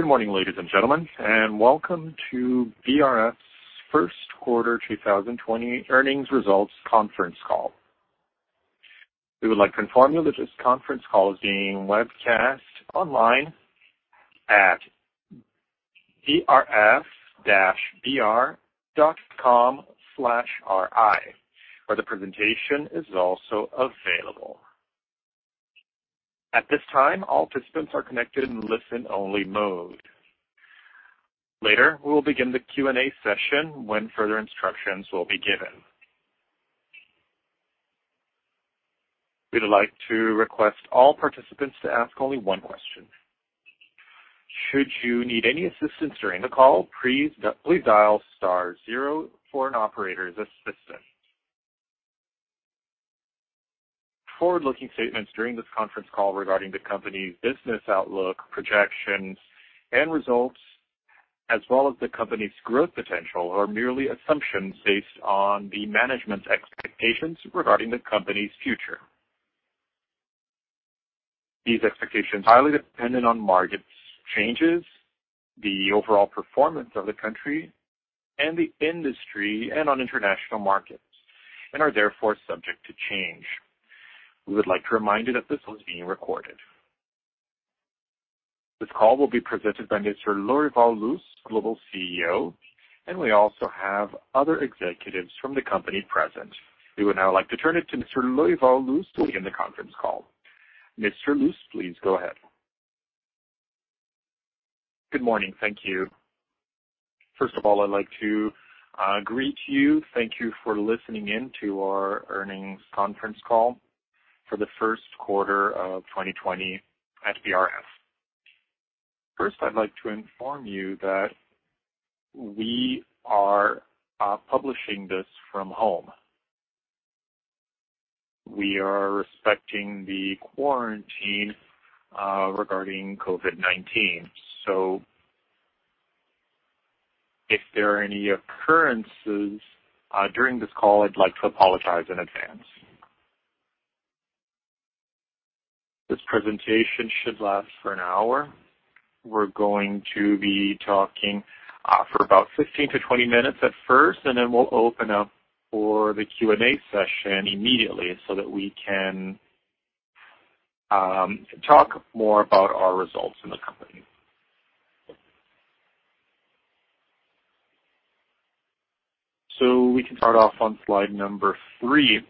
Good morning, ladies and gentlemen, welcome to BRF's first quarter 2020 earnings results conference call. We would like to inform you that this conference call is being webcast online at ri.brf-global.com, where the presentation is also available. At this time, all participants are connected in listen-only mode. Later, we will begin the Q&A session when further instructions will be given. We'd like to request all participants to ask only one question. Should you need any assistance during the call, please dial star zero for an operator's assistance. Forward-looking statements during this conference call regarding the company's business outlook, projections, and results, as well as the company's growth potential, are merely assumptions based on the management's expectations regarding the company's future. These expectations are highly dependent on market changes, the overall performance of the country and the industry, and on international markets, and are therefore subject to change. We would like to remind you that this is being recorded. This call will be presented by Mr. Lorival Luz, Global CEO, and we also have other executives from the company present. We would now like to turn it to Mr. Lorival Luz to begin the conference call. Mr. Luz, please go ahead. Good morning. Thank you. First of all, I'd like to greet you. Thank you for listening in to our earnings conference call for the first quarter of 2020 at BRF. I'd like to inform you that we are publishing this from home. We are respecting the quarantine regarding COVID-19. If there are any occurrences during this call, I'd like to apologize in advance. This presentation should last for an hour. We're going to be talking for about 15-20 minutes at first, and then we'll open up for the Q&A session immediately, so that we can talk more about our results in the company. We can start off on slide number three.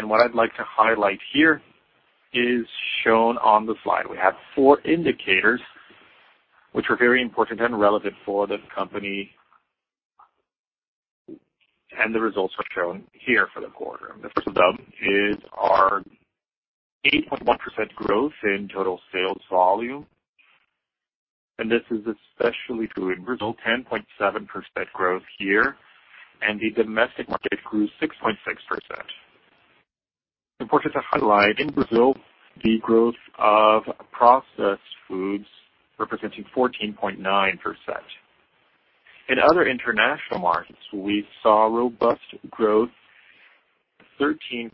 What I'd like to highlight here is shown on the slide. We have four indicators which are very important and relevant for the company, and the results are shown here for the quarter. The first of them is our 8.1% growth in total sales volume, and this is especially true in Brazil, 10.7% growth here, and the domestic market grew 6.6%. Important to highlight in Brazil, the growth of processed foods representing 14.9%. In other international markets, we saw robust growth, 13%,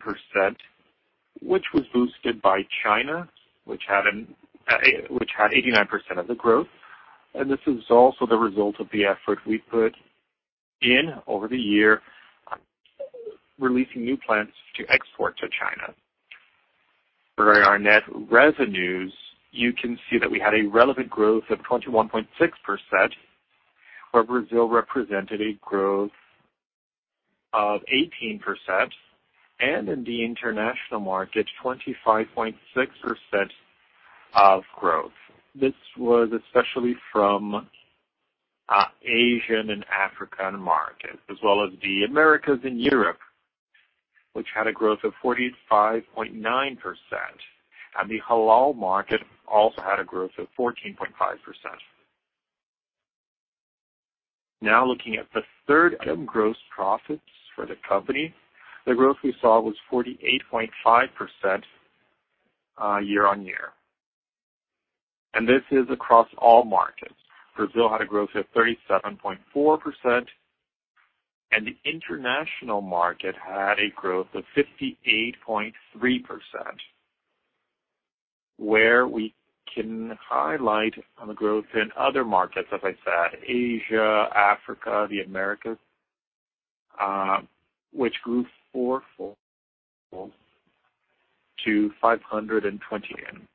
which was boosted by China, which had 89% of the growth. This is also the result of the effort we put in over the year, releasing new plants to export to China. For our net revenues, you can see that we had a relevant growth of 21.6%, where Brazil represented a growth of 18%, and in the international market, 25.6% of growth. This was especially from Asian and African markets, as well as the Americas and Europe, which had a growth of 45.9%. The halal market also had a growth of 14.5%. Now looking at the third item, gross profits for the company. The growth we saw was 48.5% year-over-year. This is across all markets. Brazil had a growth of 37.4%, and the international market had a growth of 58.3%, where we can highlight on the growth in other markets, as I said, Asia, Africa, the Americas, which grew fourfold to 520 million.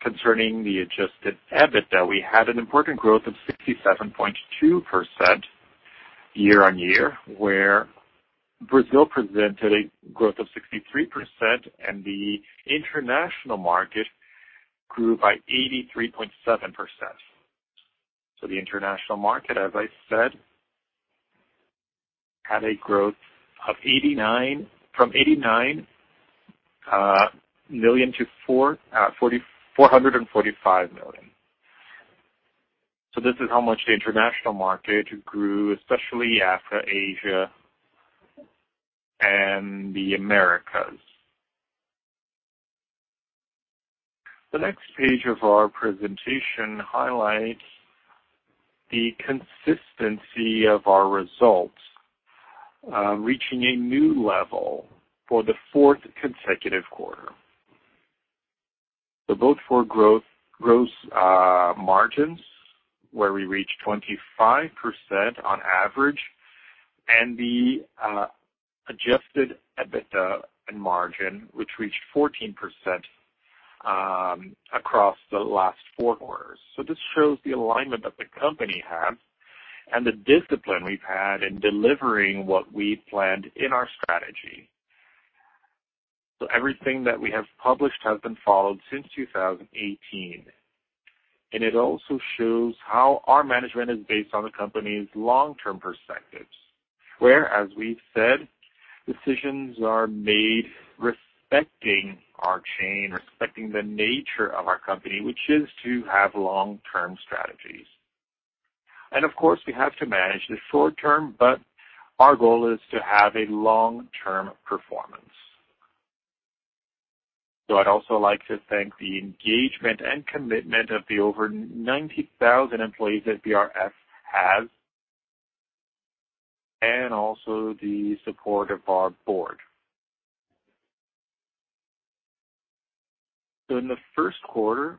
Concerning the adjusted EBITDA, we had an important growth of 67.2% year-over-year, where Brazil presented a growth of 63%. The international market grew by 83.7%. The international market, as I said, had a growth from 89 million to 445 million. This is how much the international market grew, especially Africa, Asia, and the Americas. The next page of our presentation highlights the consistency of our results reaching a new level for the fourth consecutive quarter. Both for growth, gross margins, where we reached 25% on average, and the adjusted EBITDA margin, which reached 14% across the last four quarters. This shows the alignment that the company has and the discipline we've had in delivering what we planned in our strategy. Everything that we have published has been followed since 2018, and it also shows how our management is based on the company's long-term perspectives, where, as we've said, decisions are made respecting our chain, respecting the nature of our company, which is to have long-term strategies. Of course, we have to manage the short-term, but our goal is to have a long-term performance. I'd also like to thank the engagement and commitment of the over 90,000 employees that BRF has and also the support of our board. In the first quarter,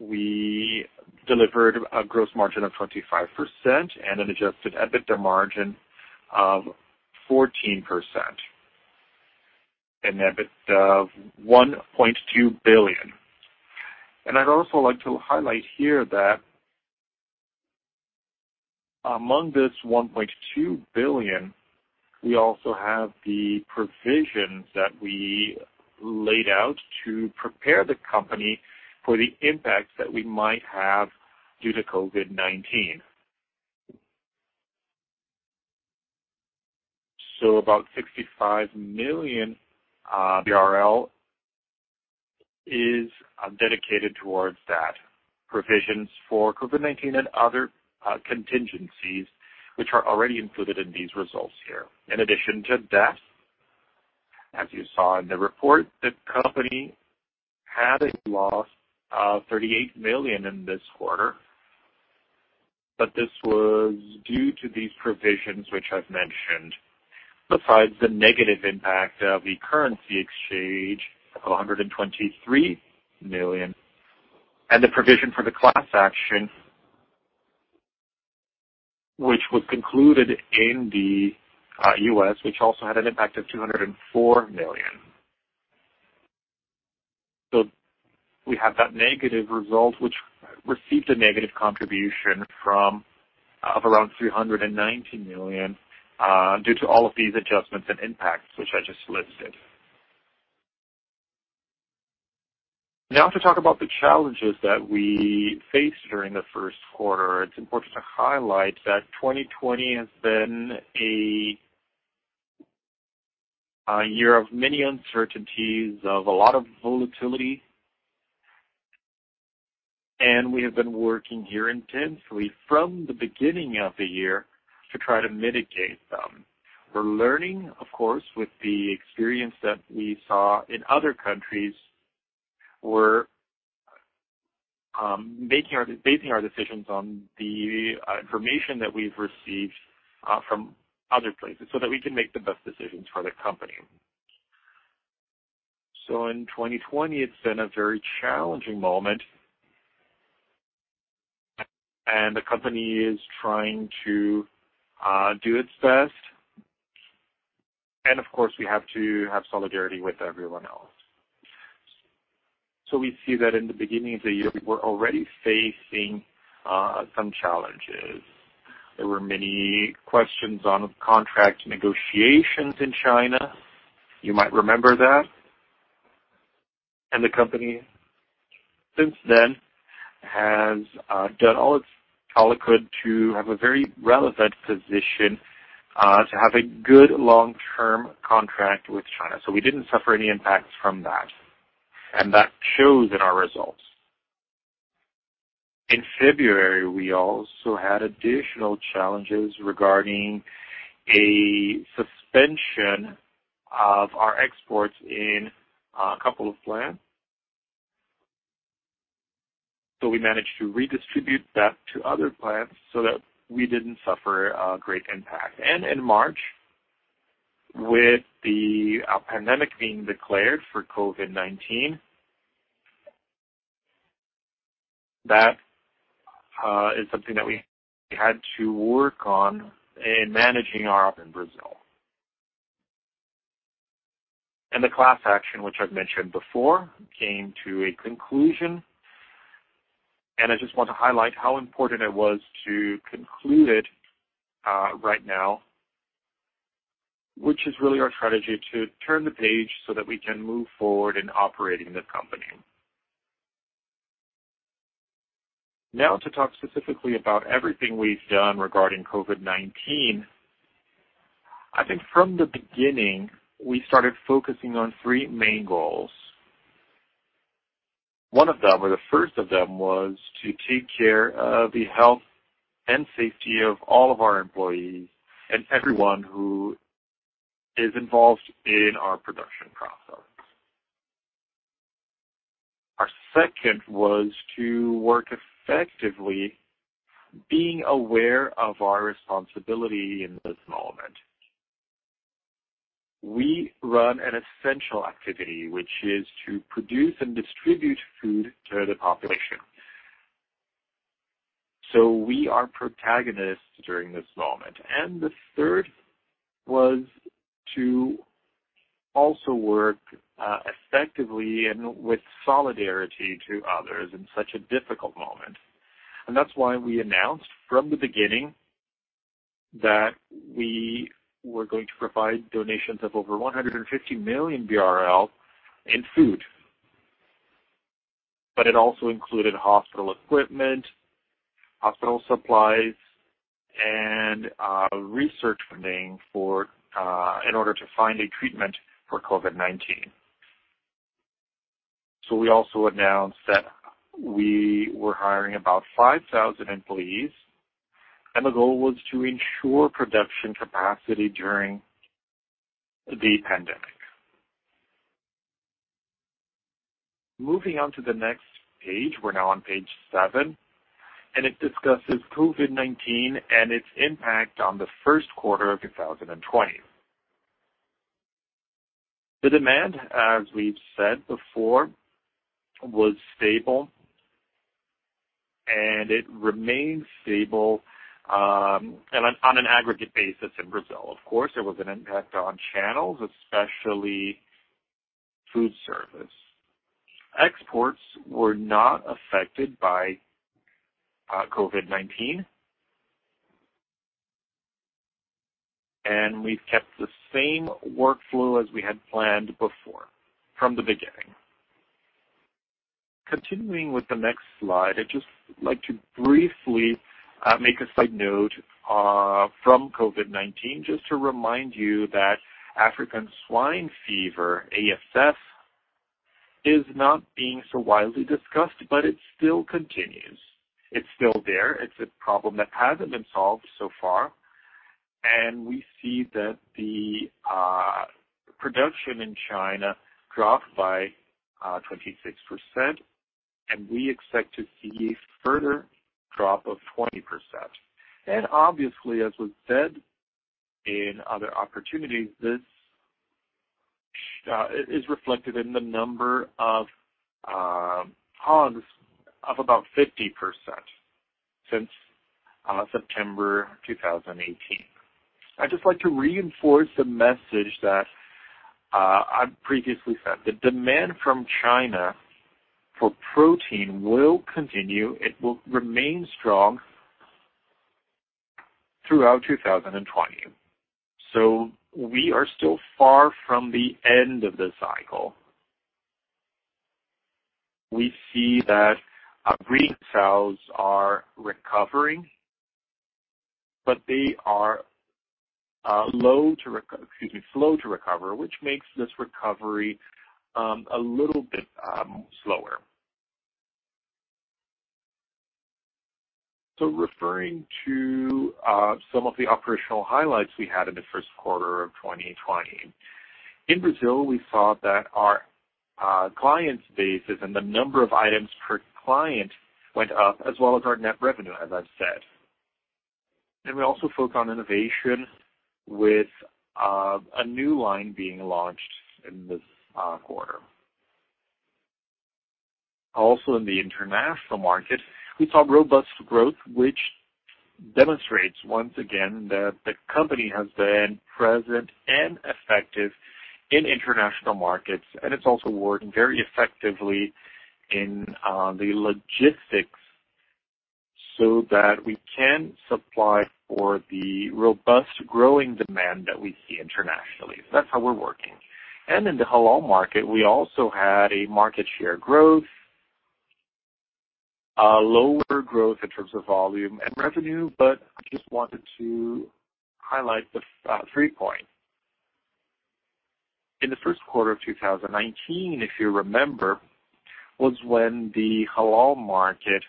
we delivered a gross margin of 25% and an adjusted EBITDA margin of 14% and EBITDA of 1.2 billion. I'd also like to highlight here that among this 1.2 billion, we also have the provisions that we laid out to prepare the company for the impact that we might have due to COVID-19. About 65 million BRL is dedicated towards that. Provisions for COVID-19 and other contingencies, which are already included in these results here. In addition to that, as you saw in the report, the company had a loss of 38 million in this quarter, but this was due to these provisions which I've mentioned, besides the negative impact of the currency exchange of 123 million, and the provision for the class action, which was concluded in the U.S., which also had an impact of 204 million. We have that negative result, which received a negative contribution of around 390 million, due to all of these adjustments and impacts, which I just listed. To talk about the challenges that we faced during the first quarter. It's important to highlight that 2020 has been a year of many uncertainties, of a lot of volatility. We have been working here intensely from the beginning of the year to try to mitigate them. We're learning, of course, with the experience that we saw in other countries. We're basing our decisions on the information that we've received from other places so that we can make the best decisions for the company. In 2020, it's been a very challenging moment, and the company is trying to do its best. Of course, we have to have solidarity with everyone else. We see that in the beginning of the year, we were already facing some challenges. There were many questions on contract negotiations in China. You might remember that. The company since then has done all it could to have a very relevant position, to have a good long-term contract with China. We didn't suffer any impacts from that, and that shows in our results. In February, we also had additional challenges regarding a suspension of our exports in a couple of plants. We managed to redistribute that to other plants so that we didn't suffer a great impact. In March, with the pandemic being declared for COVID-19, that is something that we had to work on in managing our op in Brazil. The class action, which I've mentioned before, came to a conclusion. I just want to highlight how important it was to conclude it right now, which is really our strategy to turn the page so that we can move forward in operating the company. Now to talk specifically about everything we've done regarding COVID-19. I think from the beginning, we started focusing on three main goals. One of them, or the first of them, was to take care of the health and safety of all of our employees and everyone who is involved in our production process. Our second was to work effectively, being aware of our responsibility in this moment. We run an essential activity, which is to produce and distribute food to the population. We are protagonists during this moment. The third was to also work effectively and with solidarity to others in such a difficult moment. That's why we announced from the beginning that we were going to provide donations of over 150 million BRL in food. It also included hospital equipment, hospital supplies, and research funding in order to find a treatment for COVID-19. We also announced that we were hiring about 5,000 employees, and the goal was to ensure production capacity during the pandemic. Moving on to the next page. We're now on page seven, it discusses COVID-19 and its impact on the first quarter of 2020. The demand, as we've said before, was stable, it remains stable on an aggregate basis in Brazil. Of course, there was an impact on channels, especially food service. Exports were not affected by COVID-19. We've kept the same workflow as we had planned before, from the beginning. Continuing with the next slide, I'd just like to briefly make a side note from COVID-19, just to remind you that African swine fever, ASF, is not being so widely discussed, but it still continues. It's still there. It's a problem that hasn't been solved so far. We see that the production in China dropped by 26%, we expect to see a further drop of 20%. Obviously, as was said in other opportunities, this is reflected in the number of hogs of about 50% since September 2018. I'd just like to reinforce the message that I've previously said. The demand from China for protein will continue. It will remain strong throughout 2020. We are still far from the end of the cycle. We see that retail are recovering, but they are slow to recover, which makes this recovery a little bit slower. Referring to some of the operational highlights we had in the first quarter of 2020. In Brazil, we saw that our clients bases and the number of items per client went up, as well as our net revenue, as I've said. We also focus on innovation with a new line being launched in this quarter. Also in the international market, we saw robust growth, which demonstrates once again that the company has been present and effective in international markets, and it's also working very effectively in the logistics so that we can supply for the robust growing demand that we see internationally. That's how we're working. In the halal market, we also had a market share growth. A lower growth in terms of volume and revenue, I just wanted to highlight the three points. In the first quarter of 2019, if you remember, was when the halal market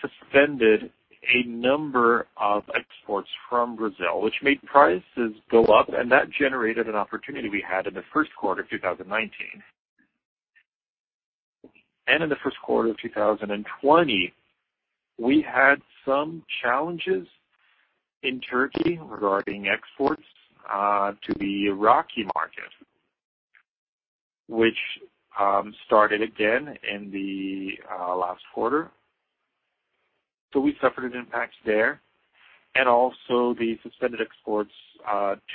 suspended a number of exports from Brazil, which made prices go up, that generated an opportunity we had in the first quarter of 2019. In the first quarter of 2020, we had some challenges in Turkey regarding exports to the Iraqi market, which started again in the last quarter. We suffered an impact there. Also the suspended exports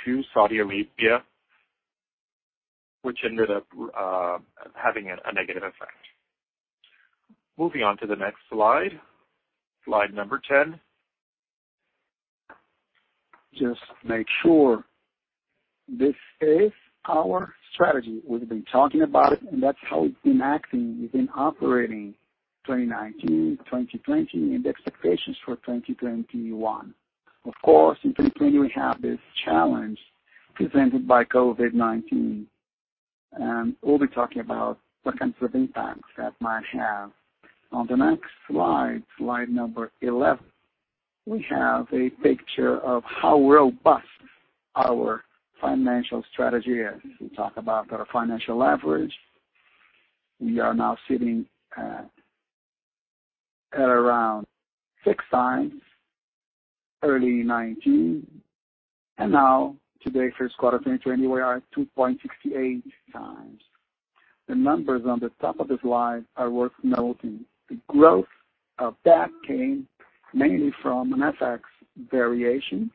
to Saudi Arabia, which ended up having a negative effect. Moving on to the next slide number 10. Just make sure this is our strategy. We've been talking about it, and that's how it's been acting. We've been operating 2019, 2020, and the expectations for 2021. Of course, in 2020, we have this challenge presented by COVID-19, and we'll be talking about what kinds of impacts that might have. On the next slide number 11. We have a picture of how robust our financial strategy is. We talk about our financial leverage. We are now sitting at around six times early 2019, and now today, first quarter of 2020, we are at 2.68x. The numbers on the top of the slide are worth noting. The growth of that came mainly from an FX variation,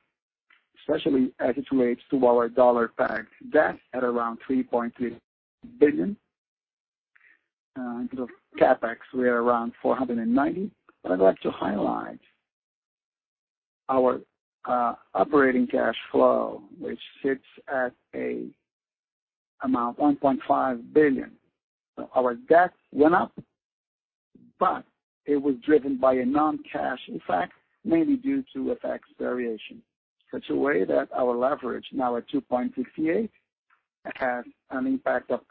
especially as it relates to our dollar-pegged debt at around $3.3 billion. In terms of CapEx, we are around 490. I'd like to highlight our operating cash flow, which sits at an amount 1.5 billion. Our debt went up, it was driven by a non-cash effect, mainly due to FX variation. Such a way that our leverage, now at 2.68, had an impact of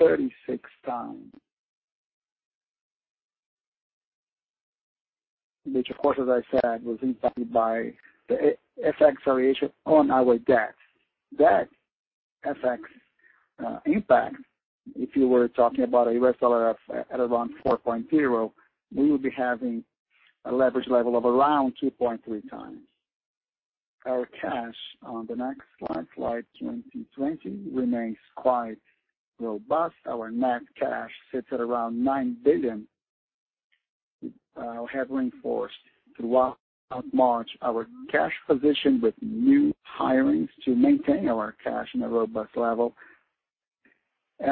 0.36 times. Which of course, as I said, was impacted by the FX variation on our debt. That FX impact, if you were talking about a US dollar at around $4.0, we would be having a leverage level of around 2.3 times. Our cash on the next slide 2020, remains quite robust. Our net cash sits at around 9 billion. We have reinforced, throughout March, our cash position with new hirings to maintain our cash at a robust level.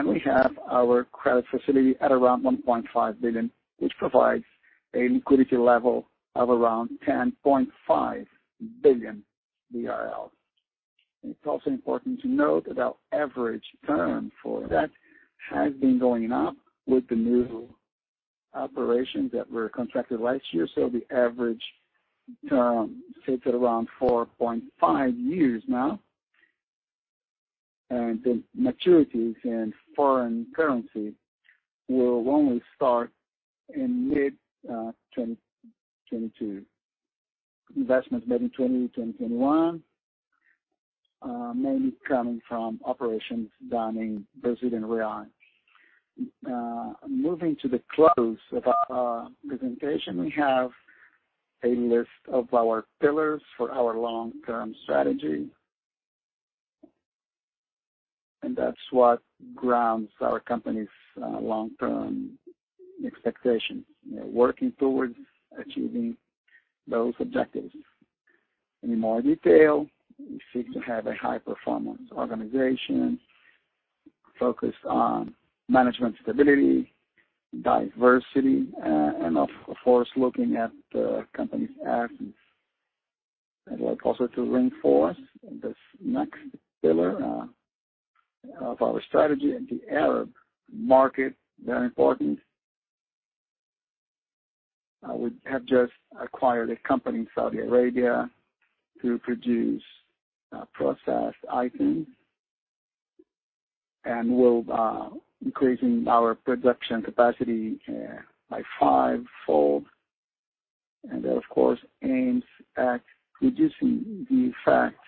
We have our credit facility at around 1.5 billion, which provides a liquidity level of around 10.5 billion. It's also important to note that our average term for that has been going up with the new operations that were contracted last year. The average term sits at around 4.5 years now. The maturities in foreign currency will only start in mid-2022. Investments made in 2020/2021, mainly coming from operations done in Brazil and Riyadh. Moving to the close of our presentation, we have a list of our pillars for our long-term strategy. That's what grounds our company's long-term expectations. Working towards achieving those objectives. In more detail, we seek to have a high-performance organization, focused on management stability, diversity, and of course, looking at the company's assets. As well also to reinforce this next pillar of our strategy, the Arab market, very important. We have just acquired a company in Saudi Arabia to produce processed items, and will be increasing our production capacity by five-fold. That, of course, aims at reducing the effects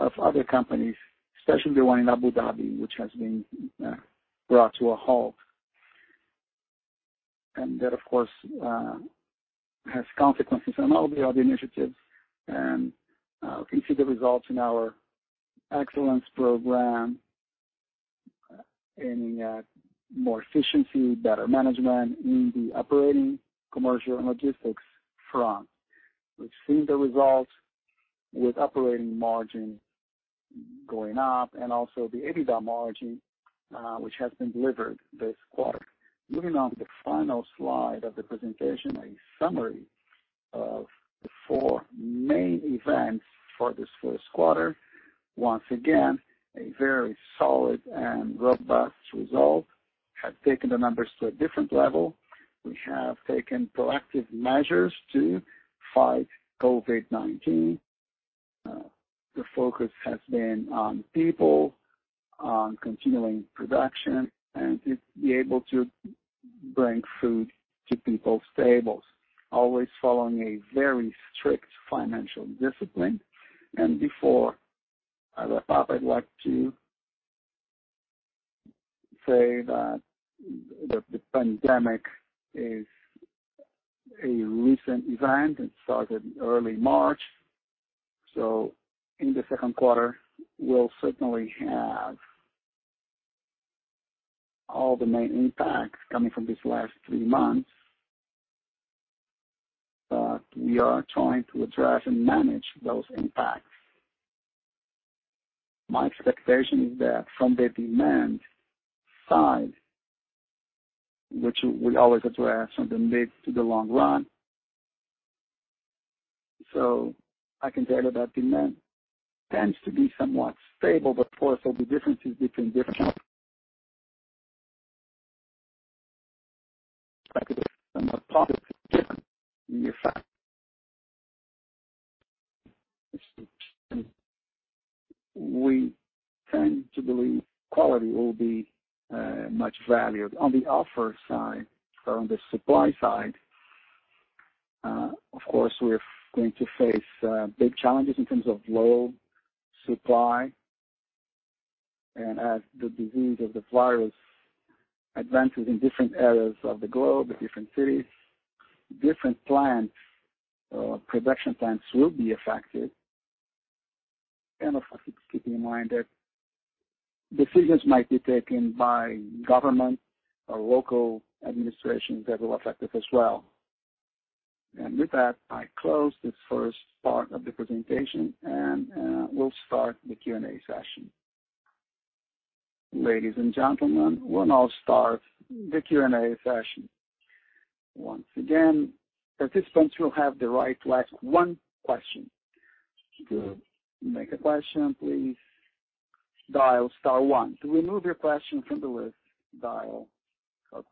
of other companies, especially the one in Abu Dhabi, which has been brought to a halt. That, of course, has consequences on all the other initiatives, and we can see the results in our excellence program, aiming at more efficiency, better management in the operating, commercial, and logistics front. We've seen the results with operating margin going up and also the EBITDA margin, which has been delivered this quarter. Moving on to the final slide of the presentation, a summary of the four main events for this first quarter. Once again, a very solid and robust result, have taken the numbers to a different level. We have taken proactive measures to fight COVID-19. The focus has been on people, on continuing production, and to be able to bring food to people's tables, always following a very strict financial discipline. Before I wrap up, I'd like to say that the pandemic is a recent event. It started in early March. In the second quarter, we'll certainly have all the main impacts coming from these last three months. We are trying to address and manage those impacts. My expectation is that from the demand side, which we always address from the mid to the long run. I can say that our demand tends to be somewhat stable, but of course, there'll be differences between different channels. Especially with some of the products different. We tend to believe Qualy will be much valued. On the offer side or on the supply side, of course, we're going to face big challenges in terms of low supply. As the disease of the virus advances in different areas of the globe, the different cities, different production plants will be affected. Of course, keeping in mind that decisions might be taken by government or local administrations that will affect us as well. With that, I close this first part of the presentation, and we'll start the Q&A session. Ladies and gentlemen, we'll now start the Q&A session. Once again, participants will have the right to ask one question. To make a question, please dial star one. To remove your question from the list,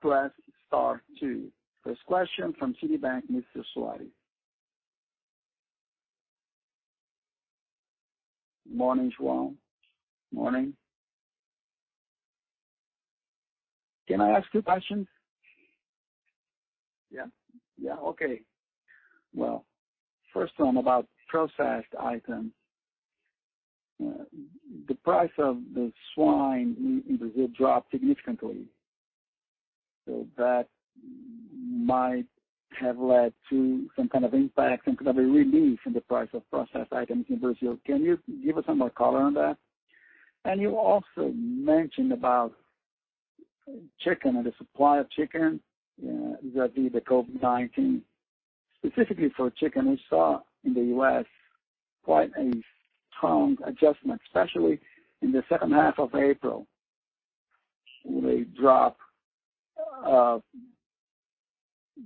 press star two. First question from Citibank, Mr. Soares. Morning, João. Morning. Can I ask two questions? Yeah. Okay. Well, first one about processed items. The price of the swine in Brazil dropped significantly. That might have led to some kind of impact, some kind of a relief in the price of processed items in Brazil. Can you give us some more color on that? You also mentioned about chicken and the supply of chicken, vis-à-vis the COVID-19, specifically for chicken we saw in the U.S. quite a strong adjustment, especially in the second half of April, with a drop of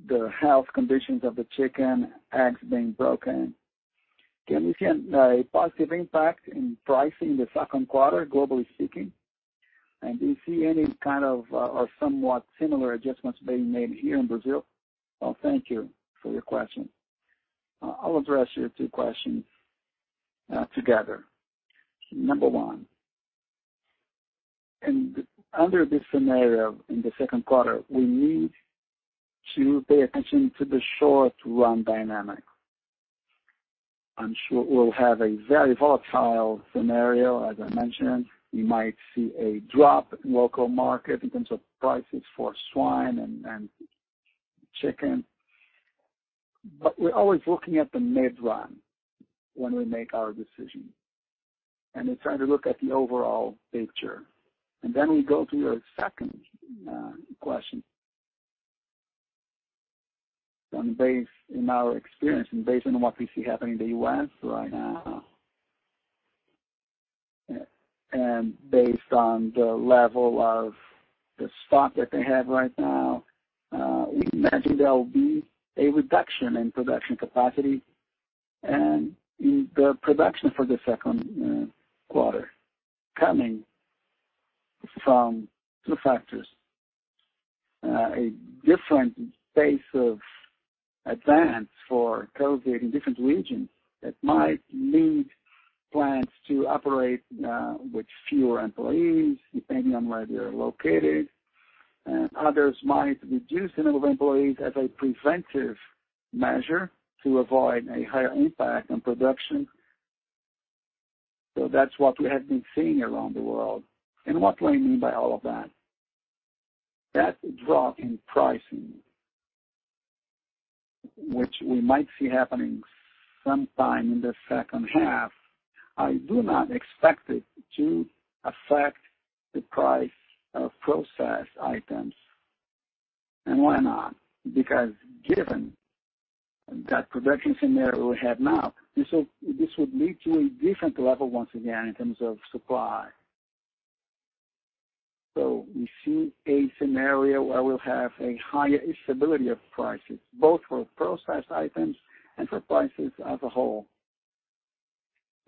the health conditions of the chicken, eggs being broken. Can we see a positive impact in pricing in the second quarter, globally speaking? Do you see any kind of, or somewhat similar adjustments being made here in Brazil? Well, thank you for your question. I'll address your two questions together. Number one, under this scenario, in the second quarter, we need to pay attention to the short-run dynamic. I'm sure we'll have a very volatile scenario, as I mentioned. We might see a drop in local market in terms of prices for swine and chicken. We're always looking at the mid-run when we make our decision, and we're trying to look at the overall picture. We go to your second question. Based on our experience, and based on what we see happening in the U.S. right now, and based on the level of the stock that they have right now, we imagine there will be a reduction in production capacity and in the production for the second quarter, coming from two factors. A different pace of advance for COVID-19 in different regions that might lead plants to operate with fewer employees, depending on where they are located. Others might reduce the number of employees as a preventive measure to avoid a higher impact on production. That's what we have been seeing around the world. What do I mean by all of that? That drop in pricing, which we might see happening sometime in the second half, I do not expect it to affect the price of processed items. Why not? Because given that production scenario we have now, this would lead to a different level once again, in terms of supply. We see a scenario where we'll have a higher instability of prices, both for processed items and for prices as a whole.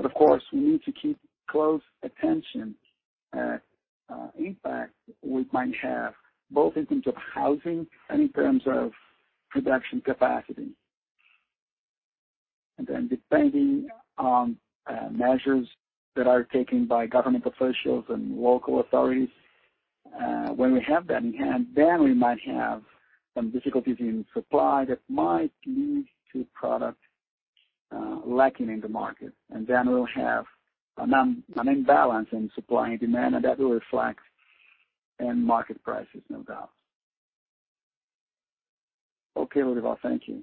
Of course, we need to keep close attention at impact we might have, both in terms of housing and in terms of production capacity. Depending on measures that are taken by government officials and local authorities, when we have that in hand, then we might have some difficulties in supply that might lead to product lacking in the market. We'll have an imbalance in supply and demand, and that will reflect in market prices, no doubt. Okay, Lorival, thank you.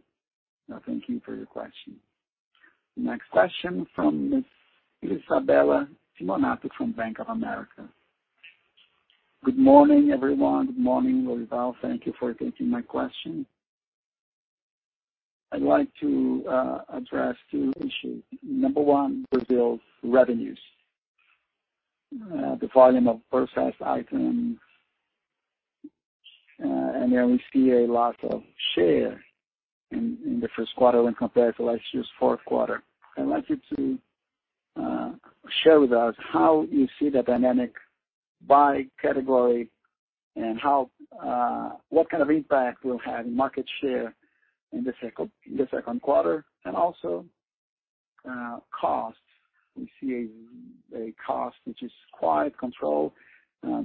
No, thank you for your question. Next question from Isabella Simonato from Bank of America. Good morning, everyone. Good morning, Lorival. Thank you for taking my question. I'd like to address two issues. Number one, Brazil's revenues, the volume of processed items. There we see a loss of share in the first quarter when compared to last year's fourth quarter. I'd like you to share with us how you see the dynamic by category and what kind of impact will have in market share in the second quarter, and also costs. We see a cost which is quite controlled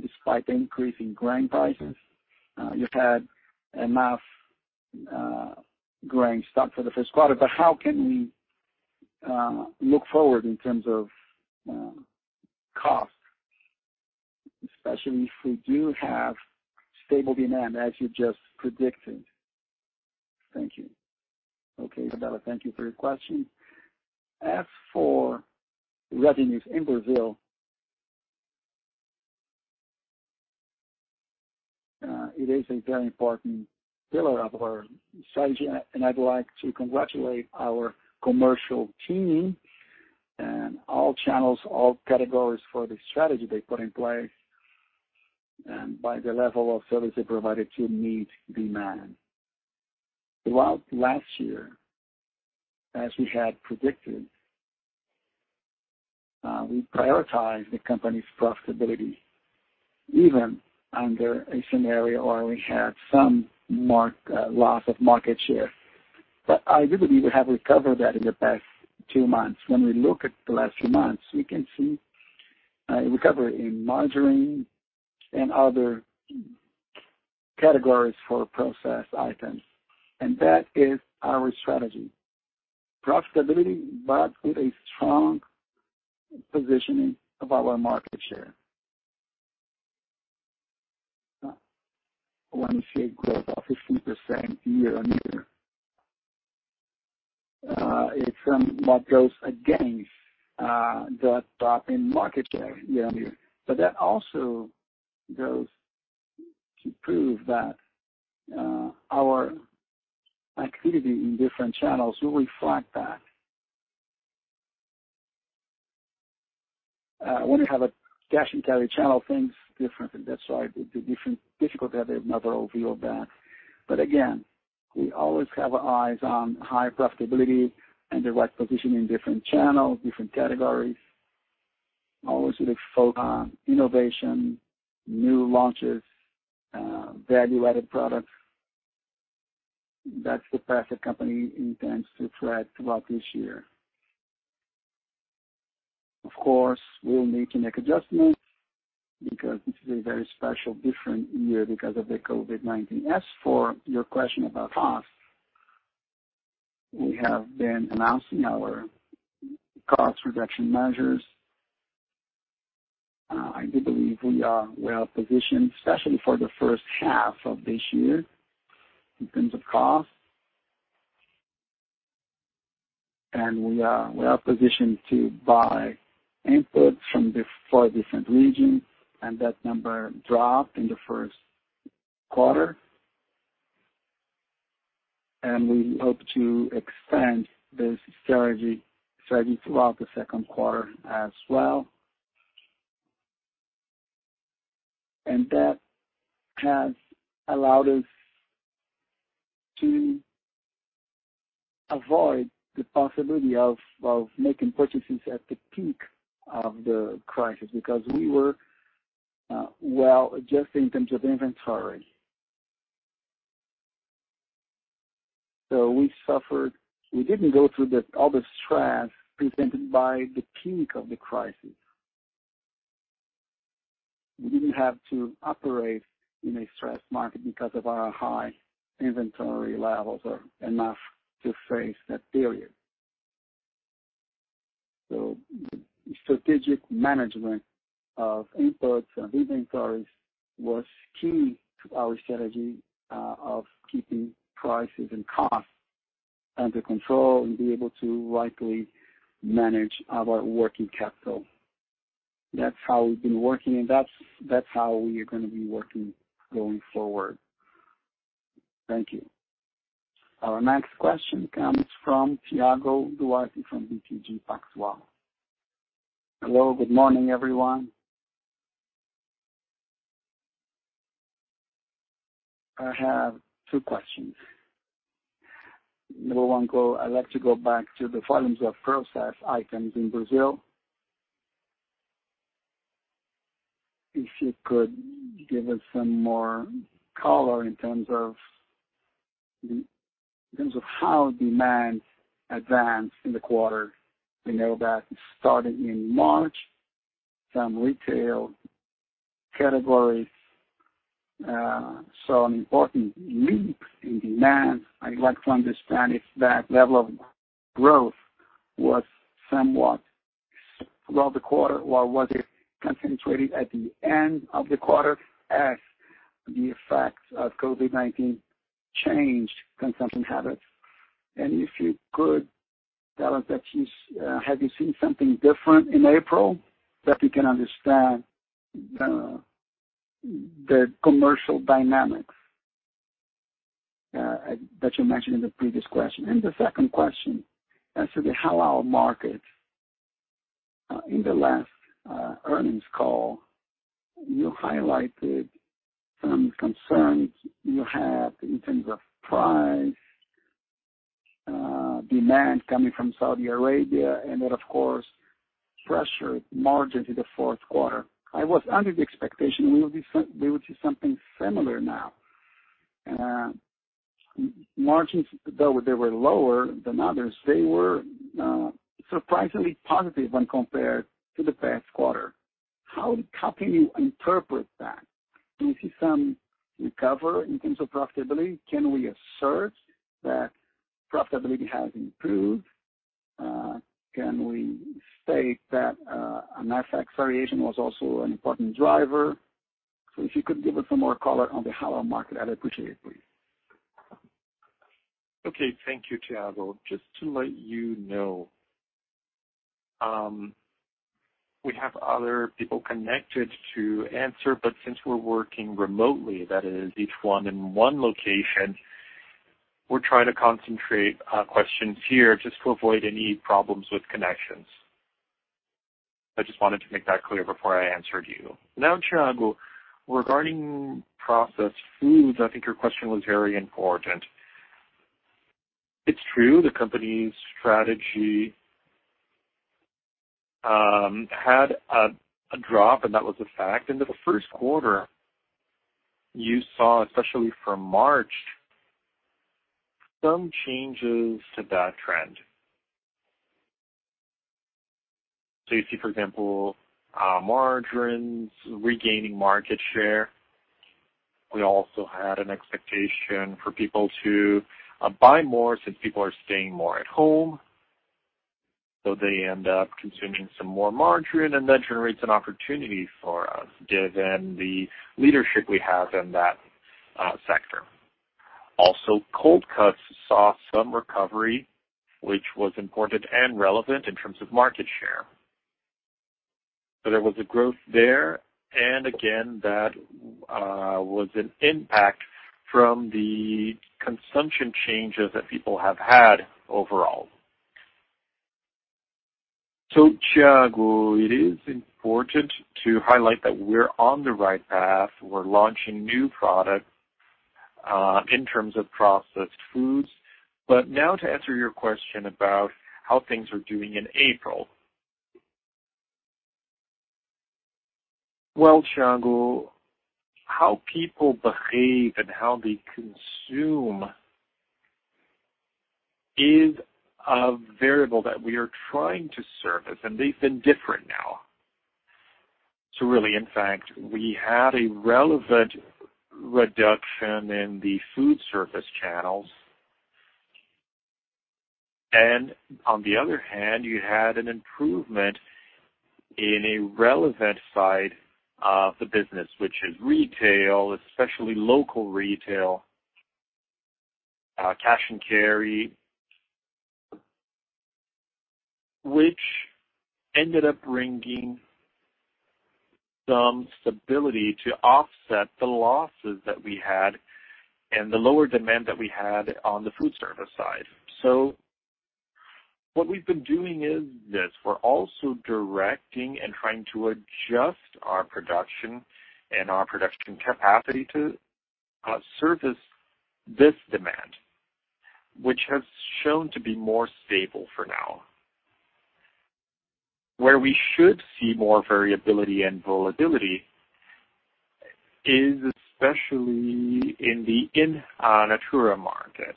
despite the increase in grain prices. You had enough grain stock for the first quarter, how can we look forward in terms of costs, especially if we do have stable demand as you just predicted? Thank you. Okay, Isabella, thank you for your question. As for revenues in Brazil, it is a very important pillar of our strategy, and I'd like to congratulate our commercial team and all channels, all categories for the strategy they put in place, and by the level of service they provided to meet demand. Throughout last year, as we had predicted, we prioritized the company's profitability even under a scenario where we had some loss of market share. I do believe we have recovered that in the past two months. When we look at the last few months, we can see a recovery in margarine and other categories for processed items. That is our strategy, profitability, but with a strong positioning of our market share. When we see a growth of 15% year-on-year, it's what goes against the drop in market share year-on-year. That also goes to prove that our activity in different channels will reflect that. When you have a cash and carry channel, things different in that side. It's difficult to have an overall view of that. Again, we always have our eyes on high profitability and the right position in different channels, different categories. Always with a focus on innovation, new launches, value-added products. That's the path the company intends to tread throughout this year. Of course, we will need to make adjustments because this is a very special, different year because of the COVID-19. As for your question about costs, we have been announcing our cost reduction measures. I do believe we are well-positioned, especially for the first half of this year, in terms of cost. We are well-positioned to buy inputs from four different regions, and that number dropped in the first quarter. We hope to extend this strategy throughout the second quarter as well. That has allowed us to avoid the possibility of making purchases at the peak of the crisis, because we were well-adjusted in terms of inventory. We didn't go through all the stress presented by the peak of the crisis. We didn't have to operate in a stressed market because of our high inventory levels or enough to face that period. Strategic management of inputs and inventories was key to our strategy of keeping prices and costs under control and be able to rightly manage our working capital. That's how we've been working, and that's how we are going to be working going forward. Thank you. Our next question comes from Thiago Duarte from BTG Pactual. Hello, good morning, everyone. I have two questions. Number one, I'd like to go back to the volumes of processed items in Brazil. You could give us some more color in terms of how demand advanced in the quarter. We know that starting in March, some retail categories saw an important leap in demand. I'd like to understand if that level of growth was somewhat throughout the quarter, or was it concentrated at the end of the quarter as the effects of COVID-19 changed consumption habits? If you could tell us, have you seen something different in April that we can understand the commercial dynamics that you mentioned in the previous question? The second question, as to the halal market. In the last earnings call, you highlighted some concerns you had in terms of price-demand coming from Saudi Arabia, and that, of course, pressured margins in the fourth quarter. I was under the expectation we would see something similar now. Margins, though they were lower than others, they were surprisingly positive when compared to the past quarter. How can you interpret that? Do you see some recovery in terms of profitability? Can we assert that profitability has improved? Can we state that a FX variation was also an important driver? If you could give us some more color on the halal market, I'd appreciate it, please. Okay. Thank you, Thiago. Just to let you know, we have other people connected to answer, but since we're working remotely, that is, each one in one location, we're trying to concentrate questions here just to avoid any problems with connections. I just wanted to make that clear before I answered you. Thiago, regarding processed foods, I think your question was very important. It's true the company's strategy had a drop, that was a fact. In the first quarter, you saw, especially for March, some changes to that trend. You see, for example, margarines regaining market share. We also had an expectation for people to buy more, since people are staying more at home, they end up consuming some more margarine. That generates an opportunity for us, given the leadership we have in that sector. Also, cold cuts saw some recovery, which was important and relevant in terms of market share. There was a growth there, and again, that was an impact from the consumption changes that people have had overall. Thiago, it is important to highlight that we're on the right path. We're launching new products in terms of processed foods. Now to answer your question about how things are doing in April. Thiago, how people behave and how they consume is a variable that we are trying to service, and they've been different now. Really, in fact, we had a relevant reduction in the food service channels. On the other hand, you had an improvement in a relevant side of the business, which is retail, especially local retail, cash and carry, which ended up bringing some stability to offset the losses that we had and the lower demand that we had on the food service side. What we've been doing is this: We're also directing and trying to adjust our production and our production capacity to service this demand, which has shown to be more stable for now. Where we should see more variability and volatility is especially in the in natura market.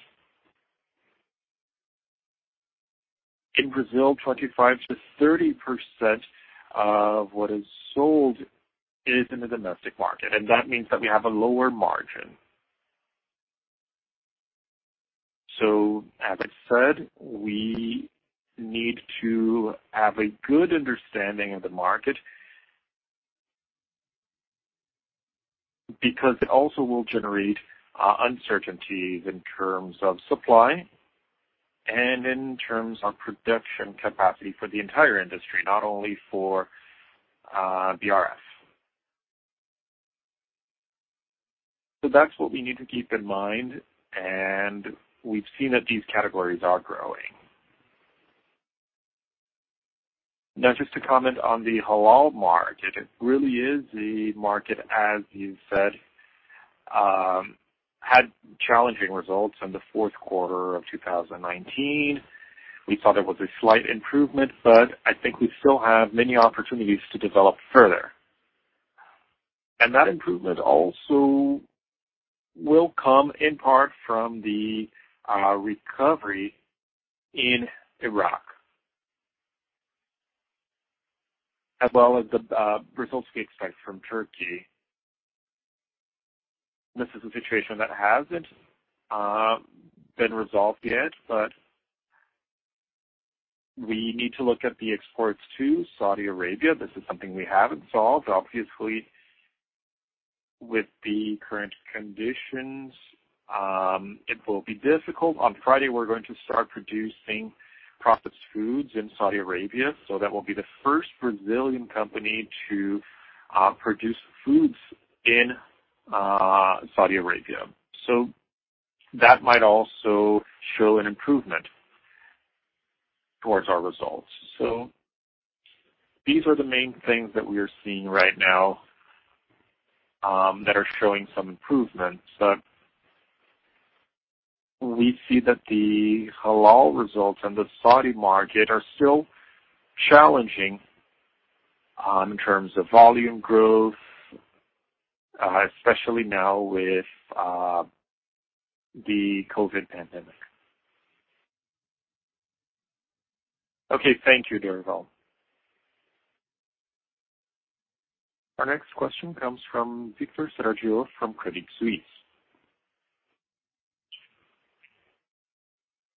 In Brazil, 25%-30% of what is sold is in the domestic market, and that means that we have a lower margin. As I said, we need to have a good understanding of the market, because it also will generate uncertainties in terms of supply and in terms of production capacity for the entire industry, not only for BRF. That's what we need to keep in mind, and we've seen that these categories are growing. Just to comment on the halal market, it really is the market, as you said, had challenging results in the fourth quarter of 2019. We thought there was a slight improvement, but I think we still have many opportunities to develop further. That improvement also will come in part from the recovery in Iraq as well as the result we expect from Turkey. This is a situation that hasn't been resolved yet, but we need to look at the exports to Saudi Arabia. This is something we haven't solved. Obviously, with the current conditions, it will be difficult. On Friday, we're going to start producing processed foods in Saudi Arabia, that will be the first Brazilian company to produce foods in Saudi Arabia. That might also show an improvement towards our results. These are the main things that we are seeing right now that are showing some improvement. We see that the halal results and the Saudi market are still challenging in terms of volume growth, especially now with the COVID pandemic. Okay, thank you, Lorival. Our next question comes from Victor Saragiotto from Credit Suisse.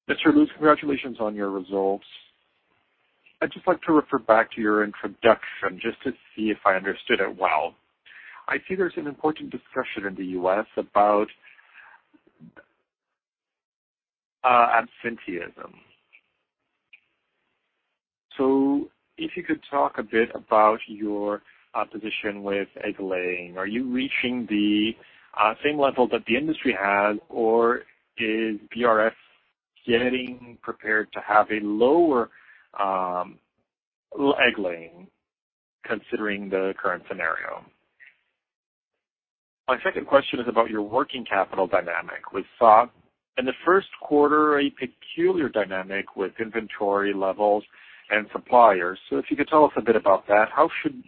Mr. Luz, congratulations on your results. I'd just like to refer back to your introduction just to see if I understood it well. I see there's an important discussion in the U.S. about absenteeism. If you could talk a bit about your position with egg laying. Are you reaching the same level that the industry has, or is BRF getting prepared to have a lower egg laying considering the current scenario? My second question is about your working capital dynamic. We saw in the first quarter a peculiar dynamic with inventory levels and suppliers. If you could tell us a bit about that,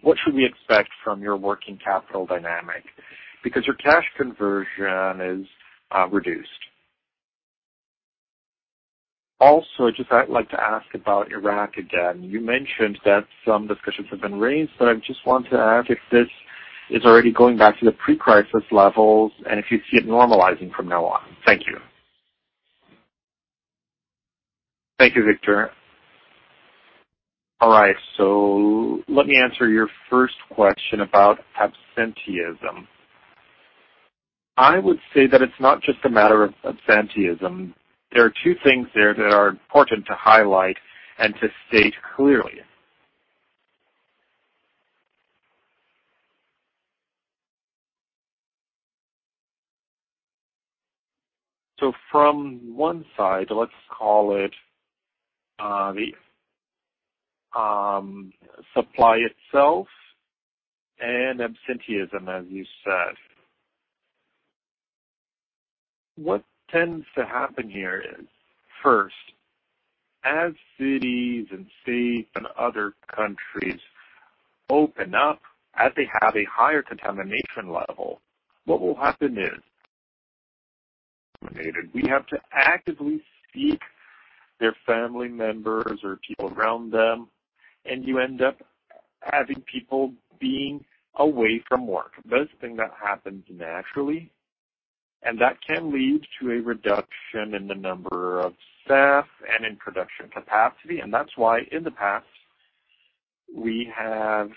what should we expect from your working capital dynamic? Because your cash conversion is reduced. I'd just like to ask about Iraq again. You mentioned that some discussions have been raised, but I just want to ask if this is already going back to the pre-crisis levels and if you see it normalizing from now on. Thank you. Thank you, Victor. All right. Let me answer your first question about absenteeism. I would say that it's not just a matter of absenteeism. There are two things there that are important to highlight and to state clearly. From one side, let's call it the supply itself and absenteeism, as you said. What tends to happen here is, first, as cities and states and other countries open up, as they have a higher contamination level, what will happen is we have to actively seek their family members or people around them, and you end up having people being away from work. That is a thing that happens naturally, and that can lead to a reduction in the number of staff and in production capacity. That's why, in the past, we have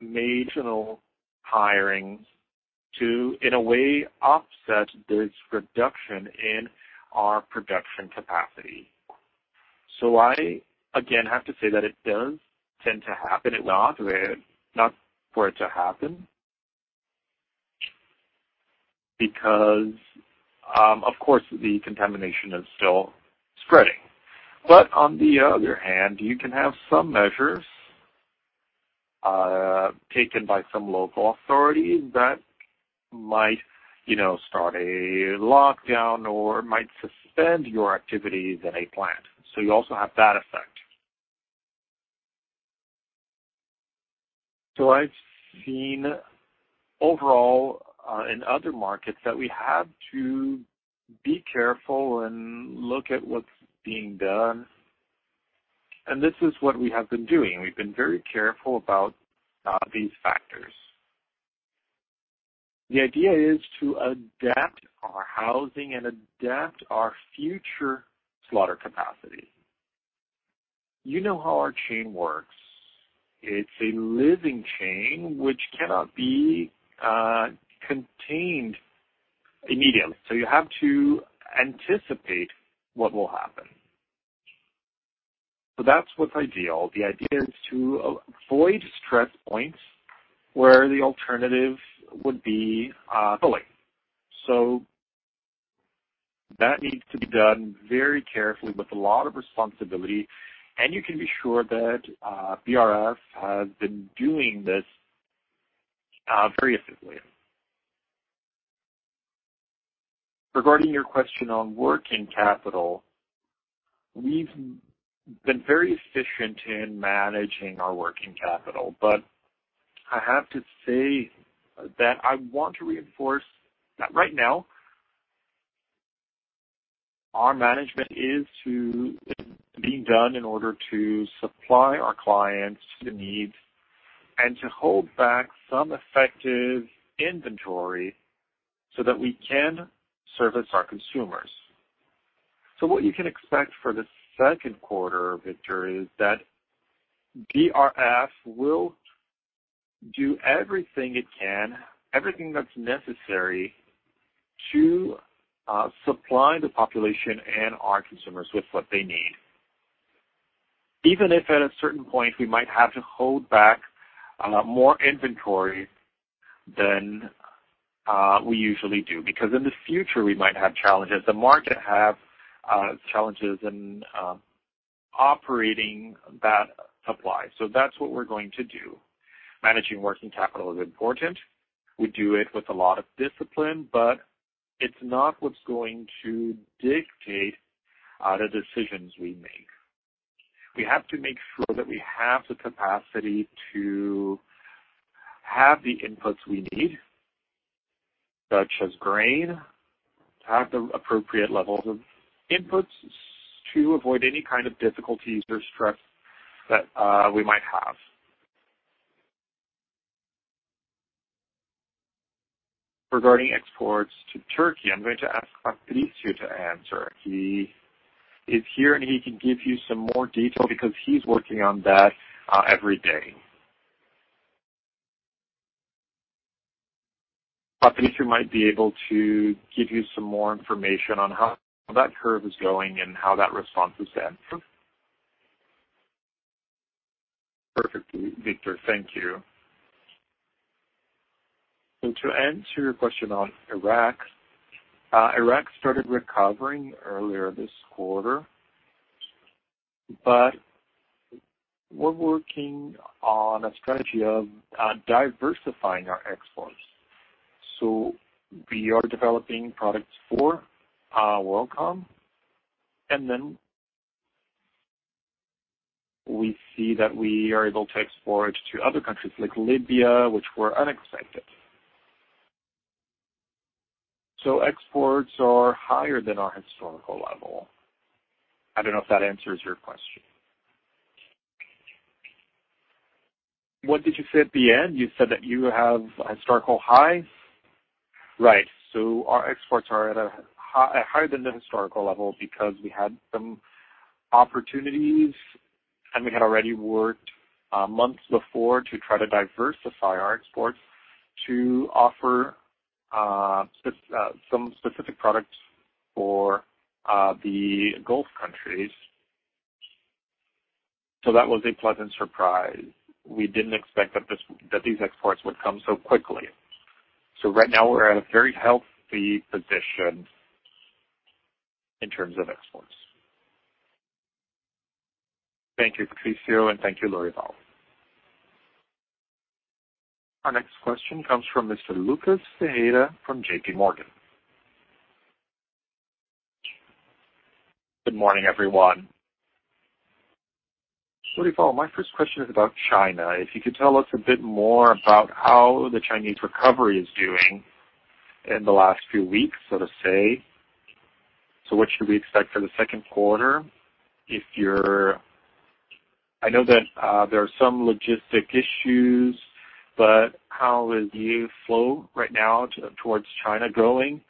made general hiring to, in a way, offset this reduction in our production capacity. I, again, have to say that it does tend to happen. It's not for it to happen because, of course, the contamination is still spreading. On the other hand, you can have some measures taken by some local authorities that might start a lockdown or might suspend your activities in a plant. You also have that effect. I've seen overall in other markets that we have to be careful and look at what's being done, and this is what we have been doing. We've been very careful about these factors. The idea is to adapt our housing and adapt our future slaughter capacity. You know how our chain works. It's a living chain which cannot be contained immediately, so you have to anticipate what will happen. That's what's ideal. The idea is to avoid stress points where the alternative would be delayed. That needs to be done very carefully with a lot of responsibility, and you can be sure that BRF has been doing this very efficiently. Regarding your question on working capital, we've been very efficient in managing our working capital. I have to say that I want to reinforce that right now our management is being done in order to supply our clients the needs and to hold back some effective inventory so that we can service our consumers. What you can expect for the second quarter, Victor, is that BRF will do everything it can, everything that's necessary to supply the population and our consumers with what they need. Even if at a certain point we might have to hold back more inventory than we usually do, because in the future, we might have challenges. The market have challenges in operating that supply. That's what we're going to do. Managing working capital is important. We do it with a lot of discipline, but it's not what's going to dictate the decisions we make. We have to make sure that we have the capacity to have the inputs we need, such as grain, to have the appropriate levels of inputs to avoid any kind of difficulties or stress that we might have. Regarding exports to Turkey, I'm going to ask Patricio to answer. He is here, and he can give you some more detail because he's working on that every day. Patricio might be able to give you some more information on how that curve is going and how that response was answered. Perfect. Victor, thank you. To answer your question on Iraq started recovering earlier this quarter, but we're working on a strategy of diversifying our exports. We are developing products for World Com, and then we see that we are able to export to other countries like Libya, which were unexpected. Exports are higher than our historical level. I don't know if that answers your question. What did you say at the end? You said that you have a historical high? Right. Our exports are higher than the historical level because we had some opportunities, and we had already worked months before to try to diversify our exports to offer some specific products for the Gulf countries. That was a pleasant surprise. We didn't expect that these exports would come so quickly. Right now, we're at a very healthy position in terms of exports. Thank you, Patricio, and thank you, Lorival. Our next question comes from Mr. Lucas Ferreira from JPMorgan. Good morning, everyone. Lorival, my first question is about China. If you could tell us a bit more about how the Chinese recovery is doing in the last few weeks, so to say. What should we expect for the second quarter? I know that there are some logistic issues, but how is your flow right now towards China going?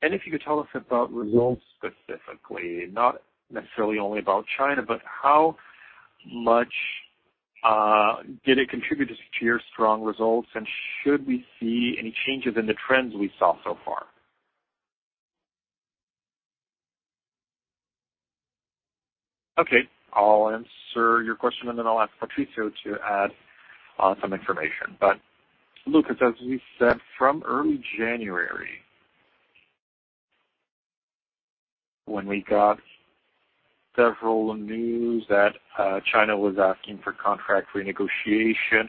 If you could tell us about results specifically, not necessarily only about China, but how much did it contribute to your strong results, and should we see any changes in the trends we saw so far? Okay. I'll answer your question, and then I'll ask Patricio to add some information. Lucas, as we said, from early January, when we got several news that China was asking for contract renegotiation,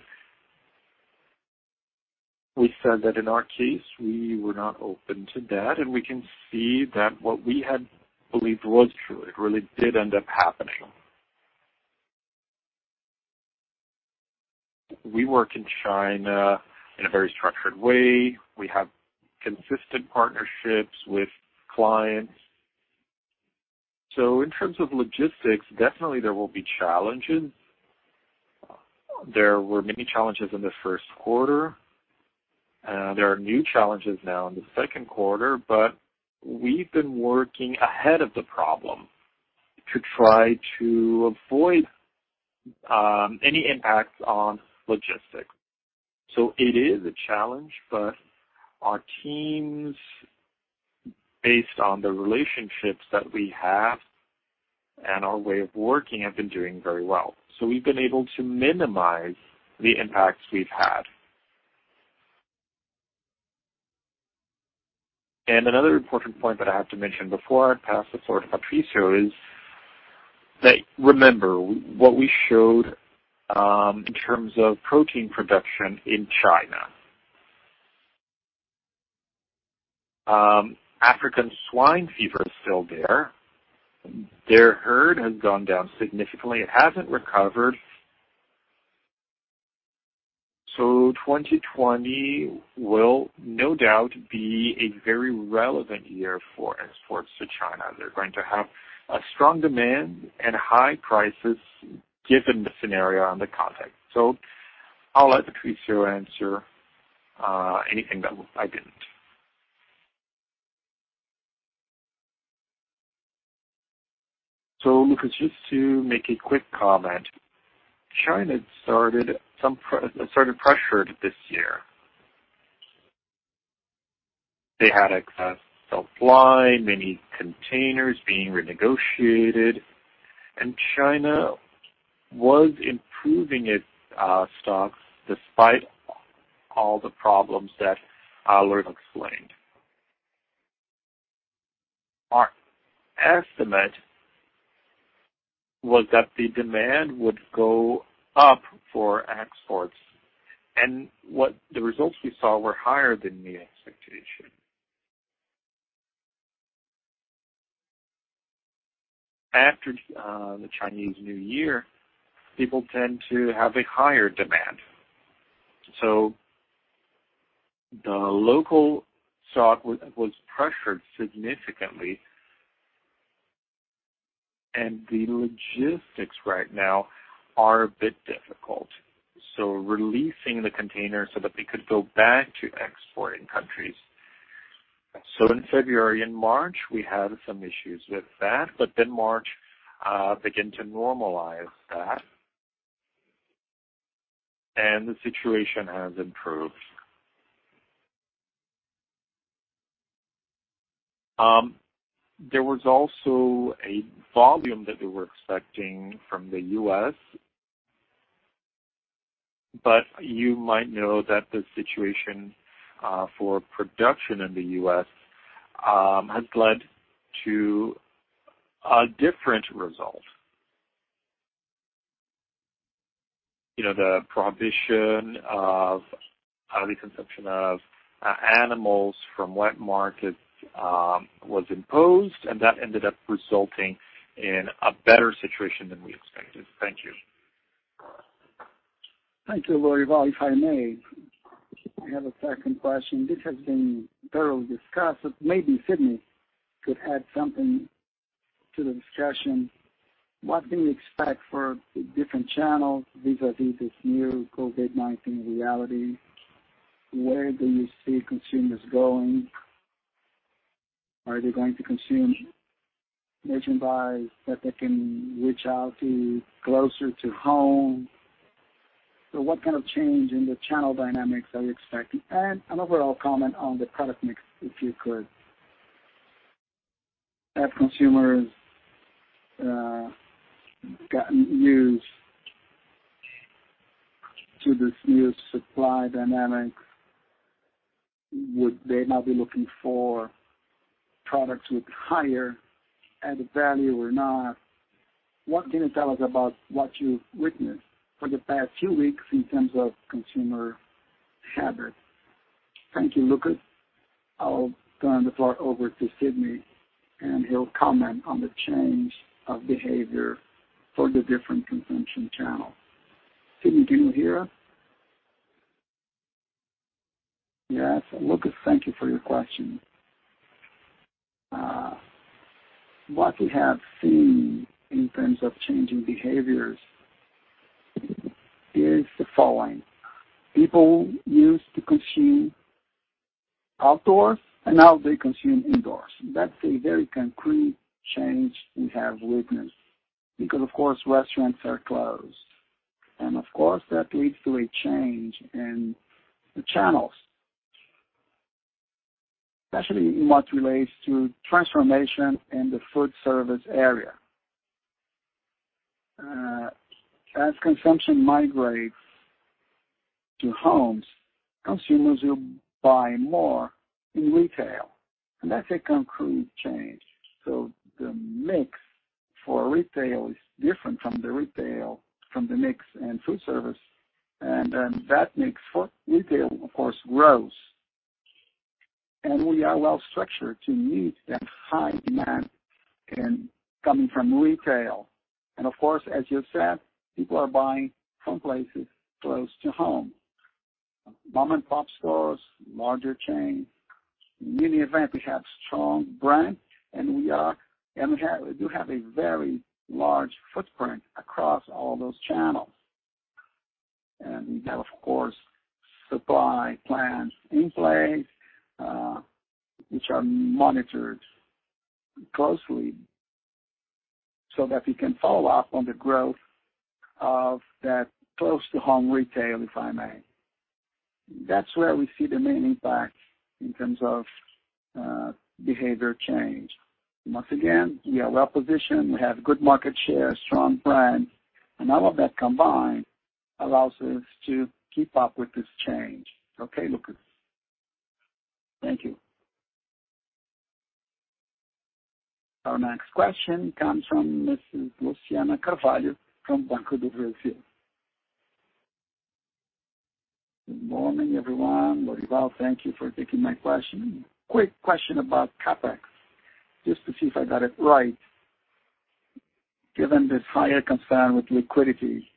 we said that in our case, we were not open to that. We can see that what we had believed was true, it really did end up happening. We work in China in a very structured way. We have consistent partnerships with clients. In terms of logistics, definitely there will be challenges. There were many challenges in the first quarter. There are new challenges now in the second quarter. We've been working ahead of the problem to try to avoid any impacts on logistics. It is a challenge. Our teams, based on the relationships that we have and our way of working, have been doing very well. We've been able to minimize the impacts we've had. Another important point that I have to mention before I pass the floor to Patricio is that remember, what we showed in terms of protein production in China. African swine fever is still there. Their herd has gone down significantly. It hasn't recovered. 2020 will no doubt be a very relevant year for exports to China. They're going to have a strong demand and high prices given the scenario and the context. I'll let Patricio answer anything that I didn't. Lucas, just to make a quick comment. China started pressured this year. They had excess supply, many containers being renegotiated, and China was improving its stocks despite all the problems that Lorival explained. Our estimate was that the demand would go up for exports. The results we saw were higher than the expectation. After the Chinese New Year, people tend to have a higher demand. The local stock was pressured significantly, and the logistics right now are a bit difficult, so releasing the container so that they could go back to exporting countries. In February and March, we had some issues with that. March began to normalize that, and the situation has improved. There was also a volume that they were expecting from the U.S. You might know that the situation for production in the U.S. has led to a different result. The prohibition of the consumption of animals from wet markets was imposed. That ended up resulting in a better situation than we expected. Thank you. Thank you, Lorival. If I may, I have a second question. This has been thoroughly discussed, but maybe Sidney could add something to the discussion. What do you expect for the different channels vis-a-vis this new COVID-19 reality? Where do you see consumers going? Are they going to consume merchandise that they can reach out to closer to home? What kind of change in the channel dynamics are you expecting? An overall comment on the product mix, if you could. Have consumers gotten used to these new supply dynamics? Would they now be looking for products with higher added value or not? What can you tell us about what you've witnessed for the past few weeks in terms of consumer habits? Thank you, Lucas. I'll turn the floor over to Sidney, and he'll comment on the change of behavior for the different consumption channels. Sidney, can you hear? Yes. Lucas, thank you for your question. What we have seen in terms of changing behaviors is the following. People used to consume outdoors, now they consume indoors. That's a very concrete change we have witnessed because, of course, restaurants are closed, of course, that leads to a change in the channels, especially in what relates to transformation in the food service area. As consumption migrates to homes, consumers will buy more in retail, that's a concrete change. The mix for retail is different from the mix in food service, that makes retail, of course, rose. We are well-structured to meet that high demand coming from retail. Of course, as you said, people are buying from places close to home. Mom-and-pop stores, larger chains. In any event, we have strong brands. We do have a very large footprint across all those channels. We have, of course, supply plans in place, which are monitored closely so that we can follow up on the growth of that close-to-home retail, if I may. That's where we see the main impact in terms of behavior change. Once again, we are well-positioned. We have good market share, strong brands, and all of that combined allows us to keep up with this change. Okay, Lucas. Thank you. Our next question comes from Mrs. Luciana Carvalho from Banco do Brasil. Good morning, everyone. Lorival, thank you for taking my question. Quick question about CapEx, just to see if I got it right. Given this higher concern with liquidity,